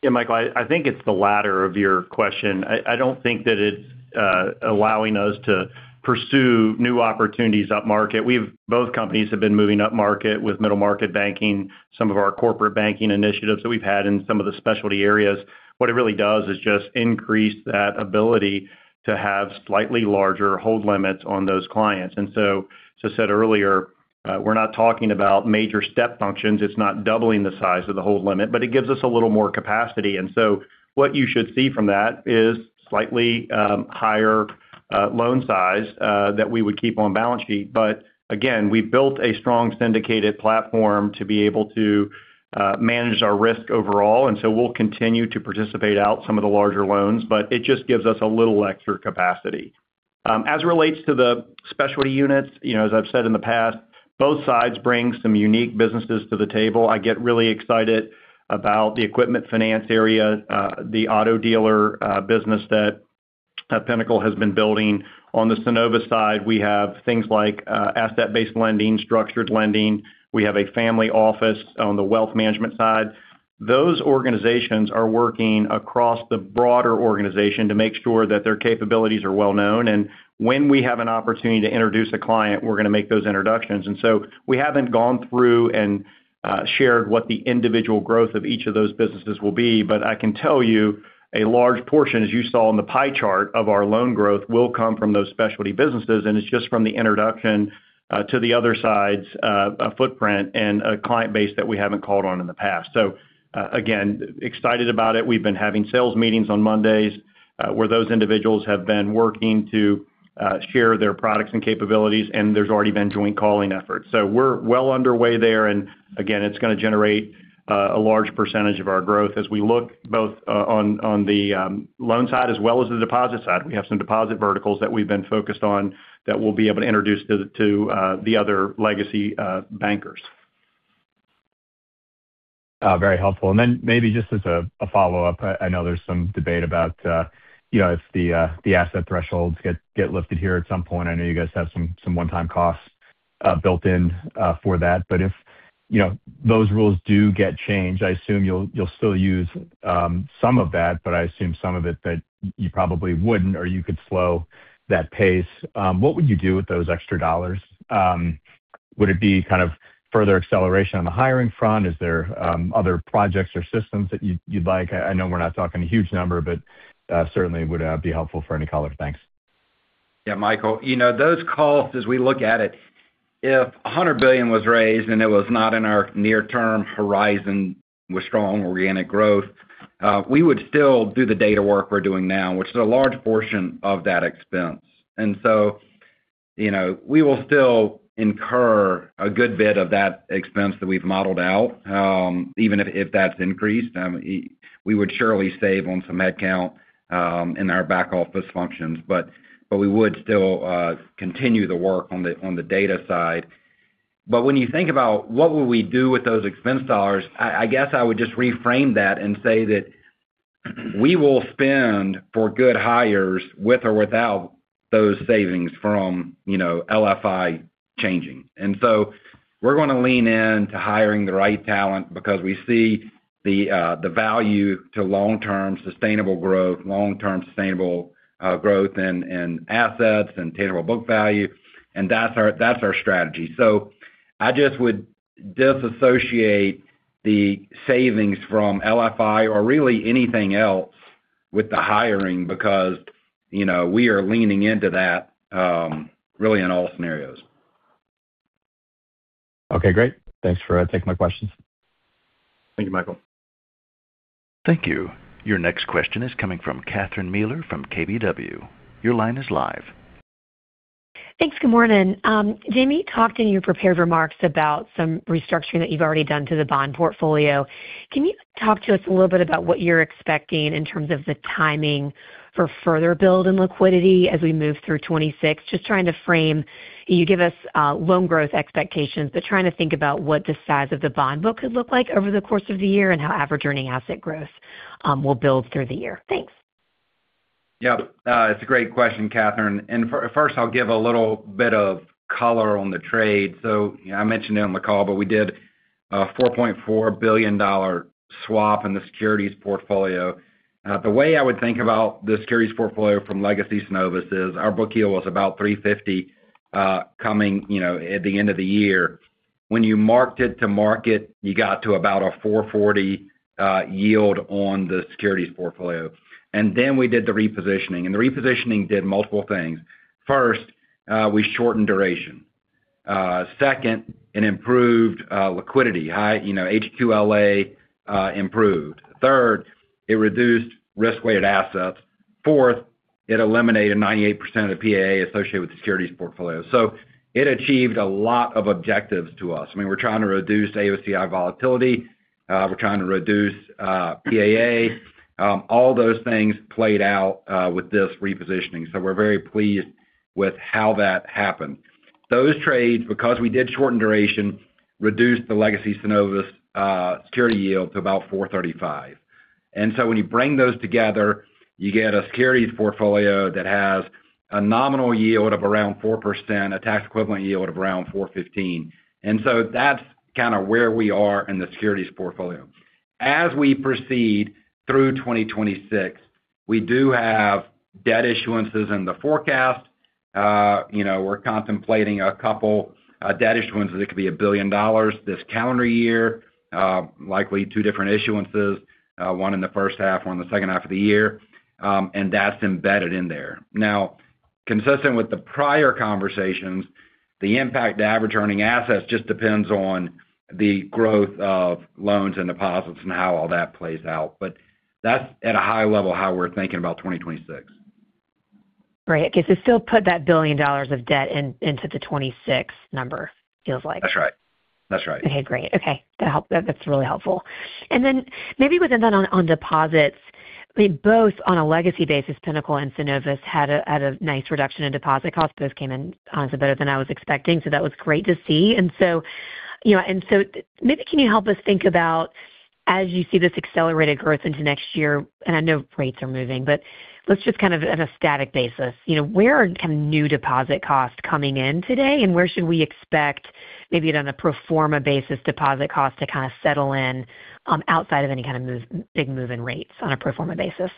Yeah, Michael, I think it's the latter of your question. I don't think that it's allowing us to pursue new opportunities up market. Both companies have been moving up market with middle market banking, some of our corporate banking initiatives that we've had in some of the specialty areas. What it really does is just increase that ability to have slightly larger hold limits on those clients. And so, as I said earlier, we're not talking about major step functions. It's not doubling the size of the hold limit, but it gives us a little more capacity. And so what you should see from that is slightly higher loan size that we would keep on balance sheet. But again, we've built a strong syndication platform to be able to manage our risk overall. And so we'll continue to participate out some of the larger loans, but it just gives us a little extra capacity. As it relates to the specialty units, as I've said in the past, both sides bring some unique businesses to the table. I get really excited about the equipment finance area, the auto dealer business that Pinnacle has been building. On the Synovus side, we have things like asset-based lending, structured lending. We have a family office on the wealth management side. Those organizations are working across the broader organization to make sure that their capabilities are well known. And when we have an opportunity to introduce a client, we're going to make those introductions. And so we haven't gone through and shared what the individual growth of each of those businesses will be. But I can tell you a large portion, as you saw in the pie chart of our loan growth, will come from those specialty businesses. And it's just from the introduction to the other side's footprint and a client base that we haven't called on in the past. So again, excited about it. We've been having sales meetings on Mondays where those individuals have been working to share their products and capabilities, and there's already been joint calling efforts. So we're well underway there. And again, it's going to generate a large percentage of our growth as we look both on the loan side as well as the deposit side. We have some deposit verticals that we've been focused on that we'll be able to introduce to the other legacy bankers. Very helpful, and then maybe just as a follow-up, I know there's some debate about if the asset thresholds get lifted here at some point. I know you guys have some one-time costs built in for that. But if those rules do get changed, I assume you'll still use some of that, but I assume some of it that you probably wouldn't or you could slow that pace. What would you do with those extra dollars? Would it be kind of further acceleration on the hiring front? Is there other projects or systems that you'd like? I know we're not talking a huge number, but certainly would be helpful for any color. Thanks. Yeah, Michael, those costs, as we look at it, if $100 billion was raised and it was not in our near-term horizon with strong organic growth, we would still do the data work we're doing now, which is a large portion of that expense. And so we will still incur a good bit of that expense that we've modeled out, even if that's increased. We would surely save on some headcount in our back office functions, but we would still continue the work on the data side. But when you think about what would we do with those expense dollars, I guess I would just reframe that and say that we will spend for good hires with or without those savings from LFI changing. And so we're going to lean into hiring the right talent because we see the value to long-term sustainable growth, long-term sustainable growth in assets and tangible book value, and that's our strategy. So I just would disassociate the savings from LFI or really anything else with the hiring because we are leaning into that really in all scenarios. Okay. Great. Thanks for taking my questions. Thank you, Matthew. Thank you. Your next question is coming from Catherine Mealor from KBW. Your line is live. Thanks. Good morning. Jamie, you talked in your prepared remarks about some restructuring that you've already done to the bond portfolio. Can you talk to us a little bit about what you're expecting in terms of the timing for further build and liquidity as we move through 2026? Just trying to frame, you give us loan growth expectations, but trying to think about what the size of the bond book could look like over the course of the year and how average earning asset growth will build through the year. Thanks. Yeah. It's a great question, Catherine. And first, I'll give a little bit of color on the trade. So I mentioned it on the call, but we did a $4.4 billion swap in the securities portfolio. The way I would think about the securities portfolio from legacy Synovus is our book yield was about 350 coming at the end of the year. When you marked it to market, you got to about a 440 yield on the securities portfolio. And then we did the repositioning. And the repositioning did multiple things. First, we shortened duration. Second, it improved liquidity. HQLA improved. Third, it reduced risk-weighted assets. Fourth, it eliminated 98% of the PAA associated with the securities portfolio. So it achieved a lot of objectives to us. I mean, we're trying to reduce AOCI volatility. We're trying to reduce PAA. All those things played out with this repositioning. We're very pleased with how that happened. Those trades, because we did shorten duration, reduced the legacy Synovus security yield to about 435. When you bring those together, you get a securities portfolio that has a nominal yield of around 4%, a tax equivalent yield of around 415. That's kind of where we are in the securities portfolio. As we proceed through 2026, we do have debt issuances in the forecast. We're contemplating a couple of debt issuances. It could be $1 billion this calendar year, likely two different issuances, one in the first half, one in the second half of the year. That's embedded in there. Now, consistent with the prior conversations, the impact to average earning assets just depends on the growth of loans and deposits and how all that plays out. But that's at a high level how we're thinking about 2026. Great. Okay. So still put that $1 billion of debt into the 2026 number, it feels like. That's right. That's right. Okay. Great. Okay. That's really helpful. And then maybe within that on deposits, both on a legacy basis, Pinnacle and Synovus had a nice reduction in deposit costs. Both came in better than I was expecting. So that was great to see. And so maybe can you help us think about, as you see this accelerated growth into next year? And I know rates are moving, but let's just kind of on a static basis, where are kind of new deposit costs coming in today? And where should we expect maybe on a pro forma basis deposit cost to kind of settle in outside of any kind of big move in rates on a pro forma basis?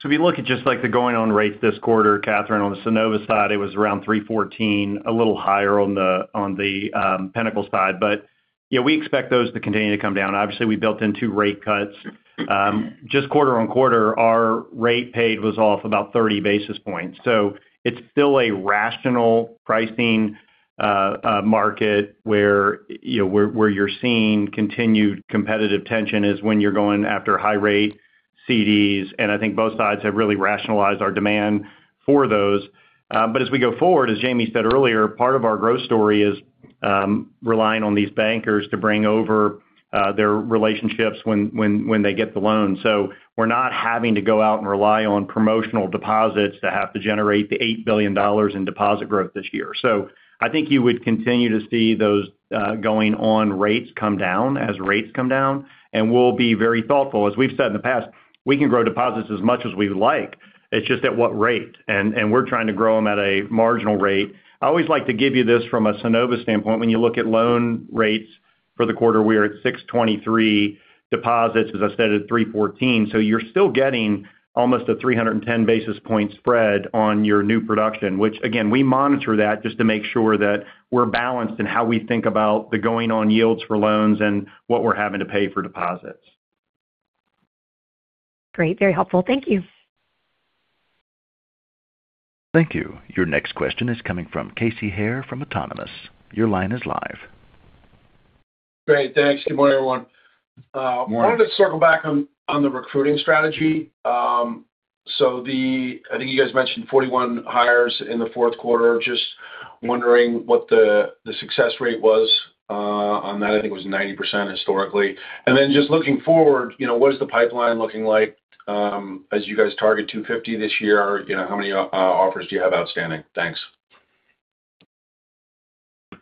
So if you look at just the going-in rates this quarter, Catherine, on the Synovus side, it was around 314, a little higher on the Pinnacle side. But yeah, we expect those to continue to come down. Obviously, we built in two rate cuts. Just quarter-on-quarter, our rate paid was off about 30 basis points. So it's still a rational pricing market where you're seeing continued competitive tension is when you're going after high-rate CDs. And I think both sides have really rationalized our demand for those. But as we go forward, as Jamie said earlier, part of our growth story is relying on these bankers to bring over their relationships when they get the loan. So we're not having to go out and rely on promotional deposits to have to generate the $8 billion in deposit growth this year. I think you would continue to see those going-in rates come down as rates come down. And we'll be very thoughtful. As we've said in the past, we can grow deposits as much as we would like. It's just at what rate? And we're trying to grow them at a marginal rate. I always like to give you this from a Synovus standpoint. When you look at loan rates for the quarter, we are at 6.23% deposits, as I said, at 3.14%. So you're still getting almost a 310 basis point spread on your new production, which, again, we monitor that just to make sure that we're balanced in how we think about the going-in yields for loans and what we're having to pay for deposits. Great. Very helpful. Thank you. Thank you. Your next question is coming from Casey Haire from Autonomous. Your line is live. Great. Thanks. Good morning, everyone. I wanted to circle back on the recruiting strategy. So I think you guys mentioned 41 hires in the Q4. Just wondering what the success rate was on that. I think it was 90% historically. And then just looking forward, what is the pipeline looking like as you guys target 250 this year? How many offers do you have outstanding? Thanks.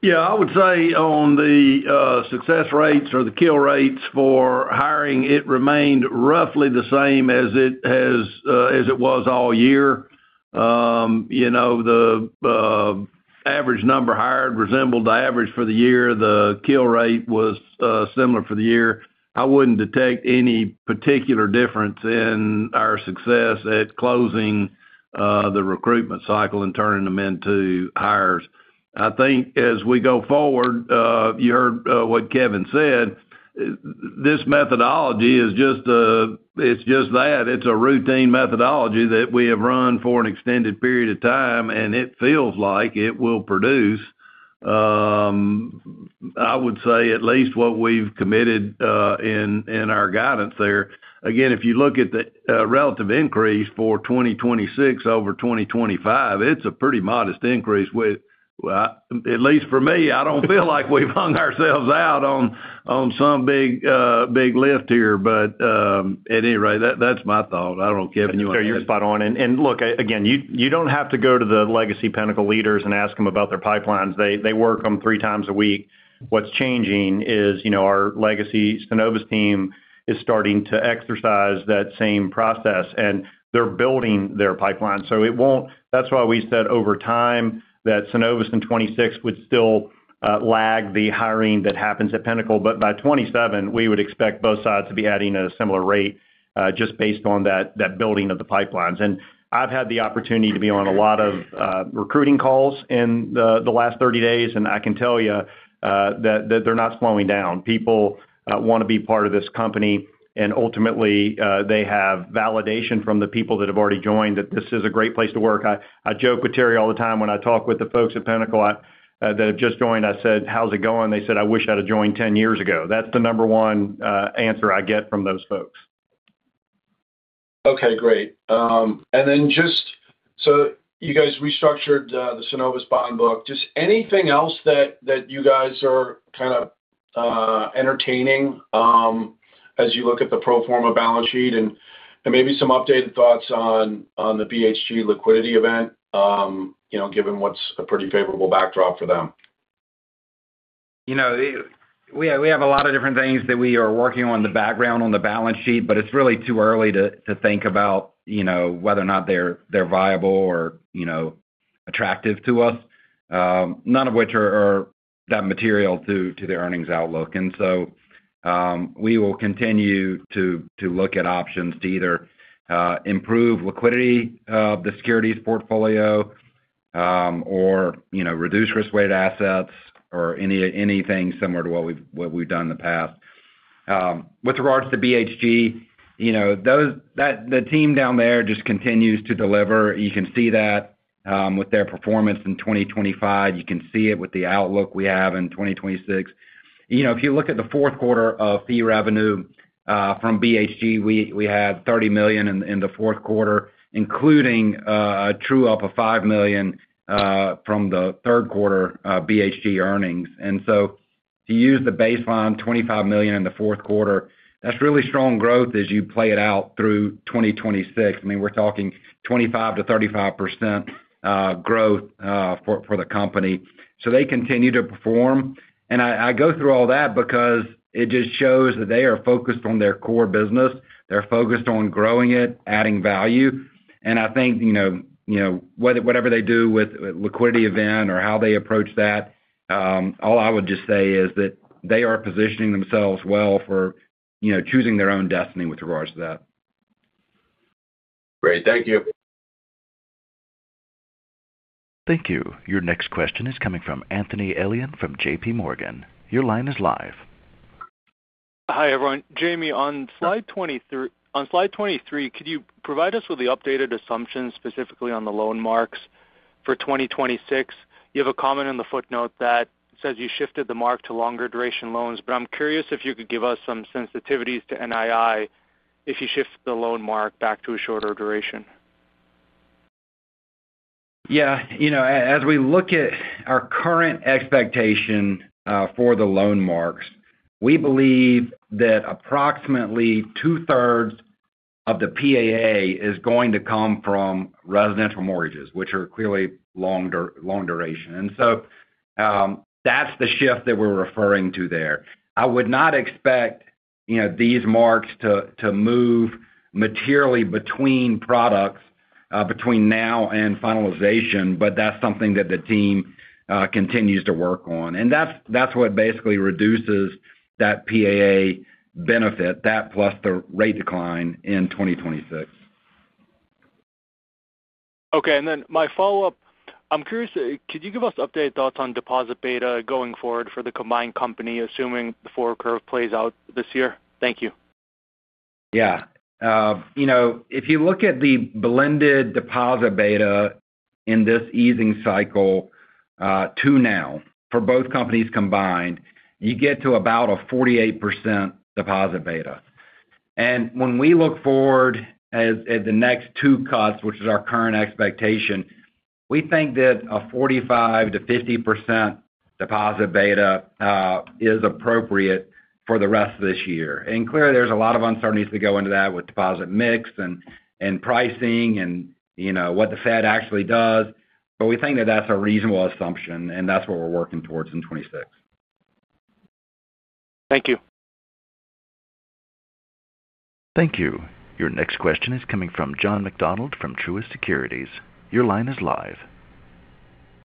Yeah. I would say on the success rates or the kill rates for hiring, it remained roughly the same as it was all year. The average number hired resembled the average for the year. The kill rate was similar for the year. I wouldn't detect any particular difference in our success at closing the recruitment cycle and turning them into hires. I think as we go forward, you heard what Kevin said, this methodology is just that. It's a routine methodology that we have run for an extended period of time, and it feels like it will produce, I would say, at least what we've committed in our guidance there. Again, if you look at the relative increase for 2026 over 2025, it's a pretty modest increase. At least for me, I don't feel like we've hung ourselves out on some big lift here. But at any rate, that's my thought. I don't know, Kevin. I'm sure you're spot on, and look, again, you don't have to go to the legacy Pinnacle leaders and ask them about their pipelines. They work them three times a week. What's changing is our legacy Synovus team is starting to exercise that same process, and they're building their pipeline, so that's why we said over time that Synovus in 2026 would still lag the hiring that happens at Pinnacle. But by 2027, we would expect both sides to be adding at a similar rate just based on that building of the pipelines, and I've had the opportunity to be on a lot of recruiting calls in the last 30 days, and I can tell you that they're not slowing down. People want to be part of this company, and ultimately, they have validation from the people that have already joined that this is a great place to work. I joke with Terry all the time when I talk with the folks at Pinnacle that have just joined. I said, "I wish I had joined 10 years ago." That's the number one answer I get from those folks. Okay. Great. And then just so you guys restructured the Synovus bond book. Just anything else that you guys are kind of entertaining as you look at the pro forma balance sheet and maybe some updated thoughts on the BHG liquidity event, given what's a pretty favorable backdrop for them? We have a lot of different things that we are working on the background on the balance sheet, but it's really too early to think about whether or not they're viable or attractive to us, none of which are that material to the earnings outlook, and so we will continue to look at options to either improve liquidity of the securities portfolio or reduce risk-weighted assets or anything similar to what we've done in the past. With regards to BHG, the team down there just continues to deliver. You can see that with their performance in 2025. You can see it with the outlook we have in 2026. If you look at the Q4 of fee revenue from BHG, we had $30 million in the Q4, including a true up of $5 million from the Q3 BHG earnings. And so to use the baseline $25 million in theQ4, that's really strong growth as you play it out through 2026. I mean, we're talking 25%-35% growth for the company. So they continue to perform. And I go through all that because it just shows that they are focused on their core business. They're focused on growing it, adding value. And I think whatever they do with liquidity event or how they approach that, all I would just say is that they are positioning themselves well for choosing their own destiny with regards to that. Great. Thank you. Thank you. Your next question is coming from Anthony Elian from JPMorgan. Your line is live. Hi, everyone. Jamie, on slide 23, could you provide us with the updated assumptions specifically on the loan marks for 2026? You have a comment in the footnote that says you shifted the mark to longer duration loans, but I'm curious if you could give us some sensitivities to NII if you shift the loan mark back to a shorter duration. Yeah. As we look at our current expectation for the loan marks, we believe that approximately two-thirds of the PAA is going to come from residential mortgages, which are clearly long duration. And so that's the shift that we're referring to there. I would not expect these marks to move materially between products between now and finalization, but that's something that the team continues to work on. And that's what basically reduces that PAA benefit, that plus the rate decline in 2026. Okay. And then my follow-up, I'm curious, could you give us updated thoughts on deposit beta going forward for the combined company, assuming the forward curve plays out this year? Thank you. Yeah. If you look at the blended deposit beta in this easing cycle to now for both companies combined, you get to about a 48% deposit beta. And when we look forward at the next two cuts, which is our current expectation, we think that a 45%-50% deposit beta is appropriate for the rest of this year. And clearly, there's a lot of uncertainties that go into that with deposit mix and pricing and what the Fed actually does. But we think that that's a reasonable assumption, and that's what we're working towards in 2026. Thank you. Thank you. Your next question is coming from John McDonald from Truist Securities. Your line is live.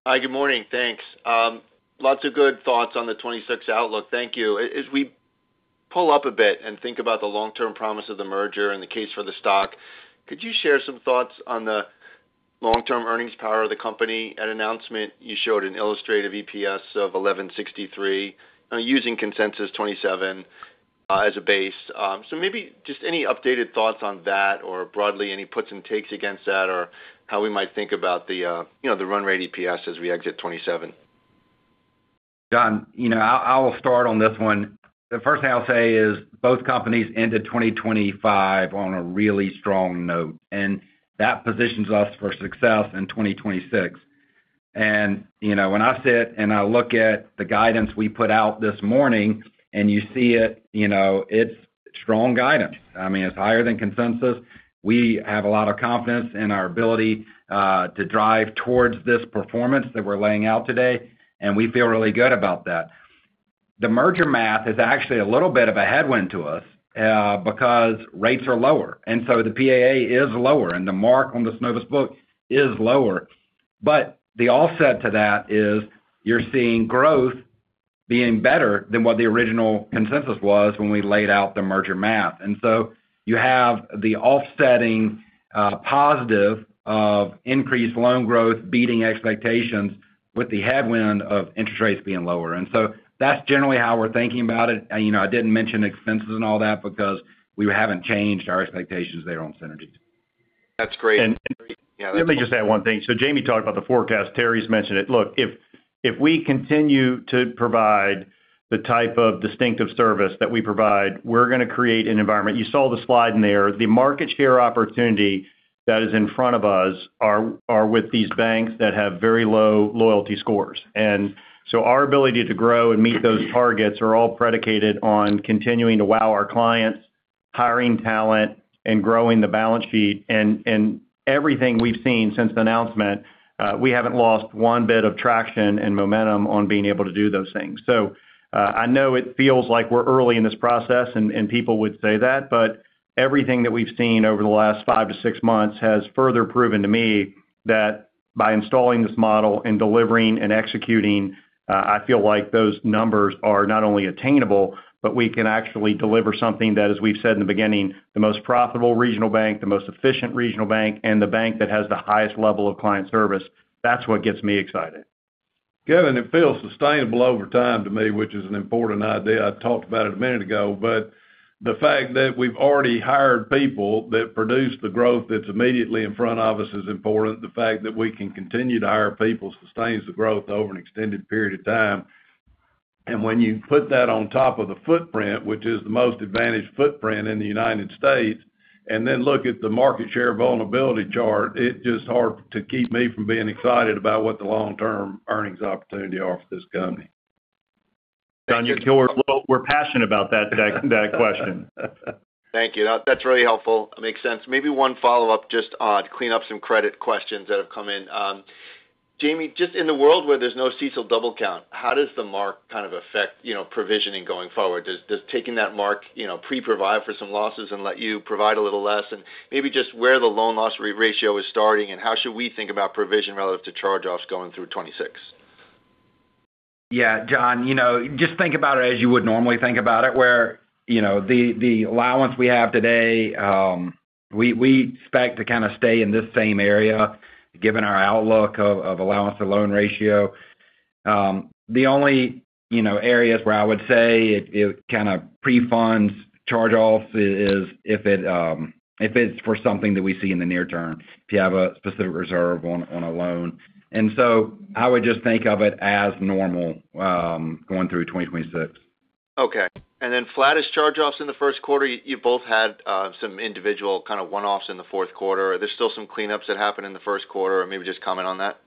Hi. Good morning. Thanks. Lots of good thoughts on the 2026 outlook. Thank you. As we pull up a bit and think about the long-term promise of the merger and the case for the stock, could you share some thoughts on the long-term earnings power of the company? At announcement, you showed an illustrative EPS of $11.63 using consensus 2027 as a base. So maybe just any updated thoughts on that or broadly any puts and takes against that or how we might think about the run rate EPS as we exit 2027? John, I will start on this one. The first thing I'll say is both companies ended 2025 on a really strong note. And that positions us for success in 2026. And when I sit and I look at the guidance we put out this morning and you see it, it's strong guidance. I mean, it's higher than consensus. We have a lot of confidence in our ability to drive towards this performance that we're laying out today. And we feel really good about that. The merger math is actually a little bit of a headwind to us because rates are lower. And so the PAA is lower, and the mark on the Synovus book is lower. But the offset to that is you're seeing growth being better than what the original consensus was when we laid out the merger math. And so you have the offsetting positive of increased loan growth beating expectations with the headwind of interest rates being lower. And so that's generally how we're thinking about it. I didn't mention expenses and all that because we haven't changed our expectations there on synergies. That's great. Let me just add one thing. So Jamie talked about the forecast. Terry's mentioned it. Look, if we continue to provide the type of distinctive service that we provide, we're going to create an environment. You saw the slide in there. The market share opportunity that is in front of us are with these banks that have very low loyalty scores. And so our ability to grow and meet those targets are all predicated on continuing to wow our clients, hiring talent, and growing the balance sheet. And everything we've seen since the announcement, we haven't lost one bit of traction and momentum on being able to do those things. So I know it feels like we're early in this process, and people would say that. But everything that we've seen over the last five to six months has further proven to me that by installing this model and delivering and executing, I feel like those numbers are not only attainable, but we can actually deliver something that, as we've said in the beginning, the most profitable regional bank, the most efficient regional bank, and the bank that has the highest level of client service. That's what gets me excited. Kevin, it feels sustainable over time to me, which is an important idea. I talked about it a minute ago. But the fact that we've already hired people that produce the growth that's immediately in front of us is important. The fact that we can continue to hire people sustains the growth over an extended period of time. And when you put that on top of the footprint, which is the most advantaged footprint in the United States, and then look at the market share vulnerability chart, it's just hard to keep me from being excited about what the long-term earnings opportunity are for this company. John, you're killer as well. We're passionate about that question. Thank you. That's really helpful. That makes sense. Maybe one follow-up, just to clean up some credit questions that have come in. Jamie, just in the world where there's no CECL double count, how does the mark kind of affect provisioning going forward? Does taking that mark pre-provide for some losses and let you provide a little less? And maybe just where the loan loss ratio is starting and how should we think about provision relative to charge-offs going through 2026? Yeah. John, just think about it as you would normally think about it, where the allowance we have today, we expect to kind of stay in this same area given our outlook of allowance to loan ratio. The only areas where I would say it kind of pre-funds charge-offs is if it's for something that we see in the near term, if you have a specific reserve on a loan. And so I would just think of it as normal going through 2026. Okay. And then flat as charge-offs in the Q1, you've both had some individual kind of one-offs in the Q4. Are there still some cleanups that happened in the Q1? Maybe just comment on that.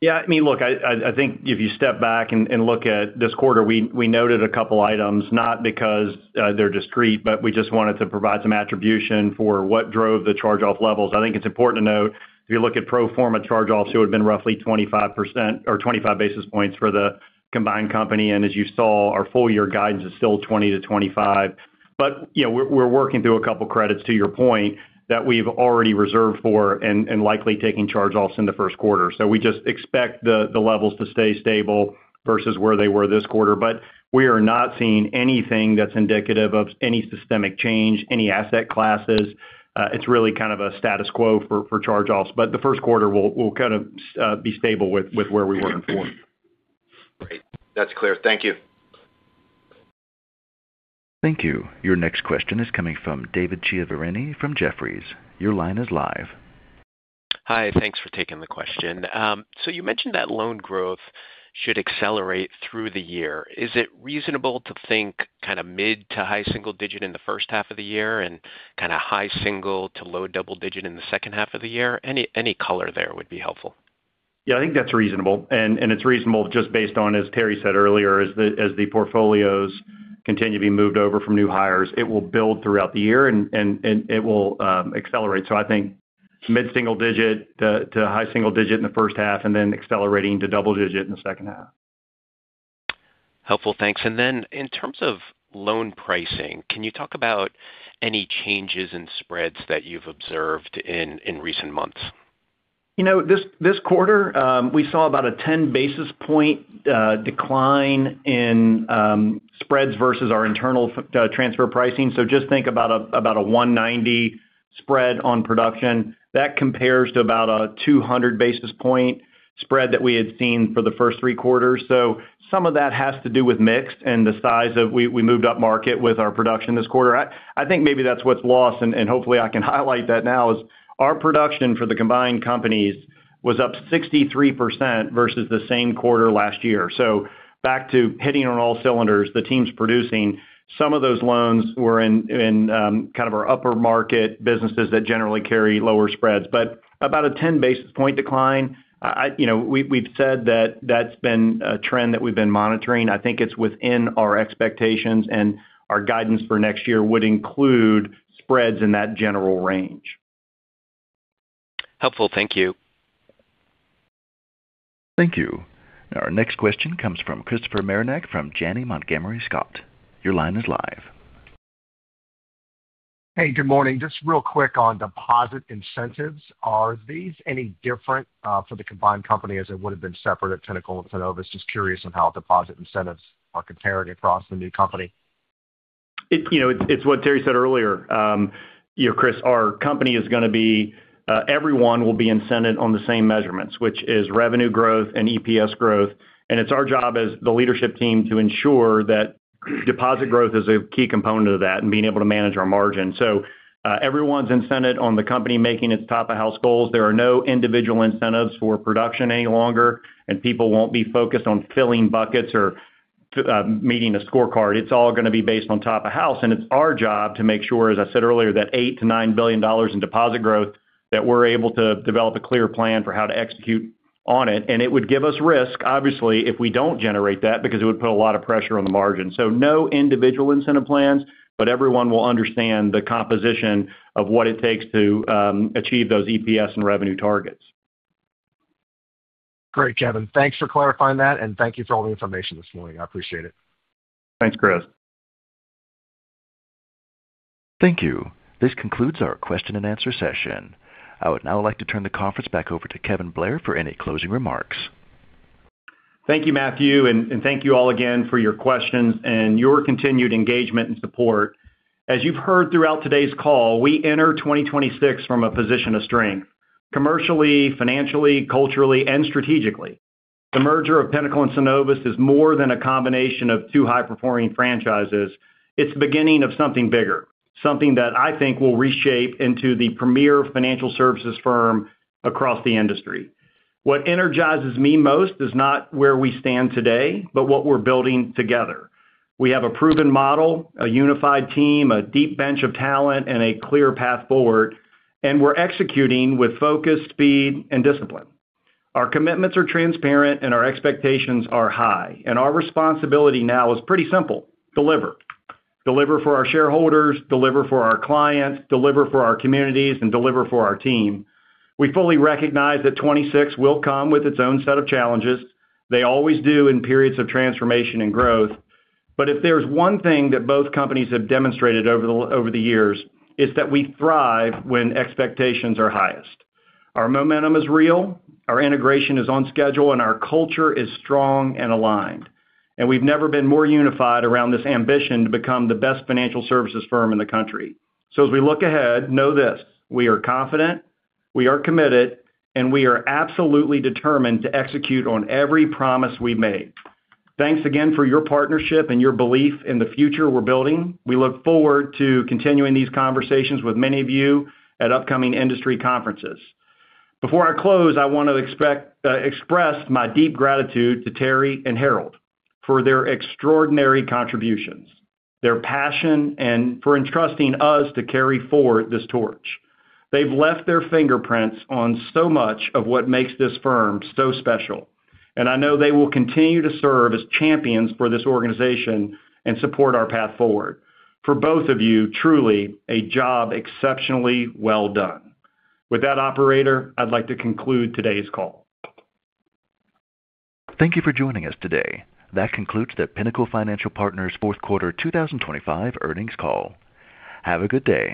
Yeah. I mean, look, I think if you step back and look at this quarter, we noted a couple of items, not because they're discrete, but we just wanted to provide some attribution for what drove the charge-off levels. I think it's important to note, if you look at pro forma charge-offs, it would have been roughly 25% or 25 basis points for the combined company. And as you saw, our full-year guidance is still 20-25. But we're working through a couple of credits, to your point, that we've already reserved for and likely taking charge-offs in the Q1. So we just expect the levels to stay stable versus where they were this quarter. But we are not seeing anything that's indicative of any systemic change, any asset classes. It's really kind of a status quo for charge-offs. But the Q1 will kind of be stable with where we were in 2024. Great. That's clear. Thank you. Thank you. Your next question is coming from David Chiaverini from Jefferies. Your line is live. Hi. Thanks for taking the question. So you mentioned that loan growth should accelerate through the year. Is it reasonable to think kind of mid to high single digit in the first half of the year and kind of high single to low double digit in the second half of the year? Any color there would be helpful. Yeah. I think that's reasonable, and it's reasonable just based on, as Terry said earlier, as the portfolios continue to be moved over from new hires, it will build throughout the year and it will accelerate, so I think mid single digit to high single digit in the first half and then accelerating to double digit in the second half. Helpful. Thanks. And then in terms of loan pricing, can you talk about any changes in spreads that you've observed in recent months? This quarter, we saw about a 10 basis points decline in spreads versus our internal transfer pricing. So just think about a 190 spread on production. That compares to about a 200 basis points spread that we had seen for the first three quarters. So some of that has to do with mix and the size as we moved up market with our production this quarter. I think maybe that's what's lost. And hopefully, I can highlight that. Now our production for the combined companies was up 63% versus the same quarter last year. So back to hitting on all cylinders, the team's producing. Some of those loans were in kind of our upper market businesses that generally carry lower spreads. But about a 10 basis points decline, we've said that that's been a trend that we've been monitoring. I think it's within our expectations. Our guidance for next year would include spreads in that general range. Helpful. Thank you. Thank you. Our next question comes from Christopher Marinac from Janney Montgomery Scott. Your line is live. Hey, good morning. Just real quick on deposit incentives. Are these any different for the combined company as it would have been separate at Pinnacle and Synovus? Just curious on how deposit incentives are compared across the new company. It's what Terry said earlier, Chris. Our company is going to be everyone will be incented on the same measurements, which is revenue growth and EPS growth. It's our job as the leadership team to ensure that deposit growth is a key component of that and being able to manage our margin. Everyone's incented on the company making its top-of-house goals. There are no individual incentives for production any longer. People won't be focused on filling buckets or meeting a scorecard. It's all going to be based on top-of-house. It's our job to make sure, as I said earlier, that $8 billion-$9 billion in deposit growth that we're able to develop a clear plan for how to execute on it. It would give us risk, obviously, if we don't generate that because it would put a lot of pressure on the margin. No individual incentive plans, but everyone will understand the composition of what it takes to achieve those EPS and revenue targets. Great, Kevin. Thanks for clarifying that. And thank you for all the information this morning. I appreciate it. Thanks, Chris. Thank you. This concludes our question and answer session. I would now like to turn the conference back over to Kevin Blair for any closing remarks. Thank you, Matthew, and thank you all again for your questions and your continued engagement and support. As you've heard throughout today's call, we enter 2026 from a position of strength: commercially, financially, culturally, and strategically. The merger of Pinnacle and Synovus is more than a combination of two high-performing franchises. It's the beginning of something bigger, something that I think will reshape into the premier financial services firm across the industry. What energizes me most is not where we stand today, but what we're building together. We have a proven model, a unified team, a deep bench of talent, and a clear path forward, and we're executing with focus, speed, and discipline. Our commitments are transparent, and our expectations are high, and our responsibility now is pretty simple: deliver. Deliver for our shareholders, deliver for our clients, deliver for our communities, and deliver for our team. We fully recognize that 2026 will come with its own set of challenges. They always do in periods of transformation and growth. But if there's one thing that both companies have demonstrated over the years, it's that we thrive when expectations are highest. Our momentum is real, our integration is on schedule, and our culture is strong and aligned. And we've never been more unified around this ambition to become the best financial services firm in the country. So as we look ahead, know this: we are confident, we are committed, and we are absolutely determined to execute on every promise we've made. Thanks again for your partnership and your belief in the future we're building. We look forward to continuing these conversations with many of you at upcoming industry conferences. Before I close, I want to express my deep gratitude to Terry and Harold for their extraordinary contributions, their passion, and for entrusting us to carry forward this torch. They've left their fingerprints on so much of what makes this firm so special, and I know they will continue to serve as champions for this organization and support our path forward. For both of you, truly a job exceptionally well done. With that, Operator, I'd like to conclude today's call. Thank you for joining us today. That concludes the Pinnacle Financial Partners Q4 2025 earnings call. Have a good day.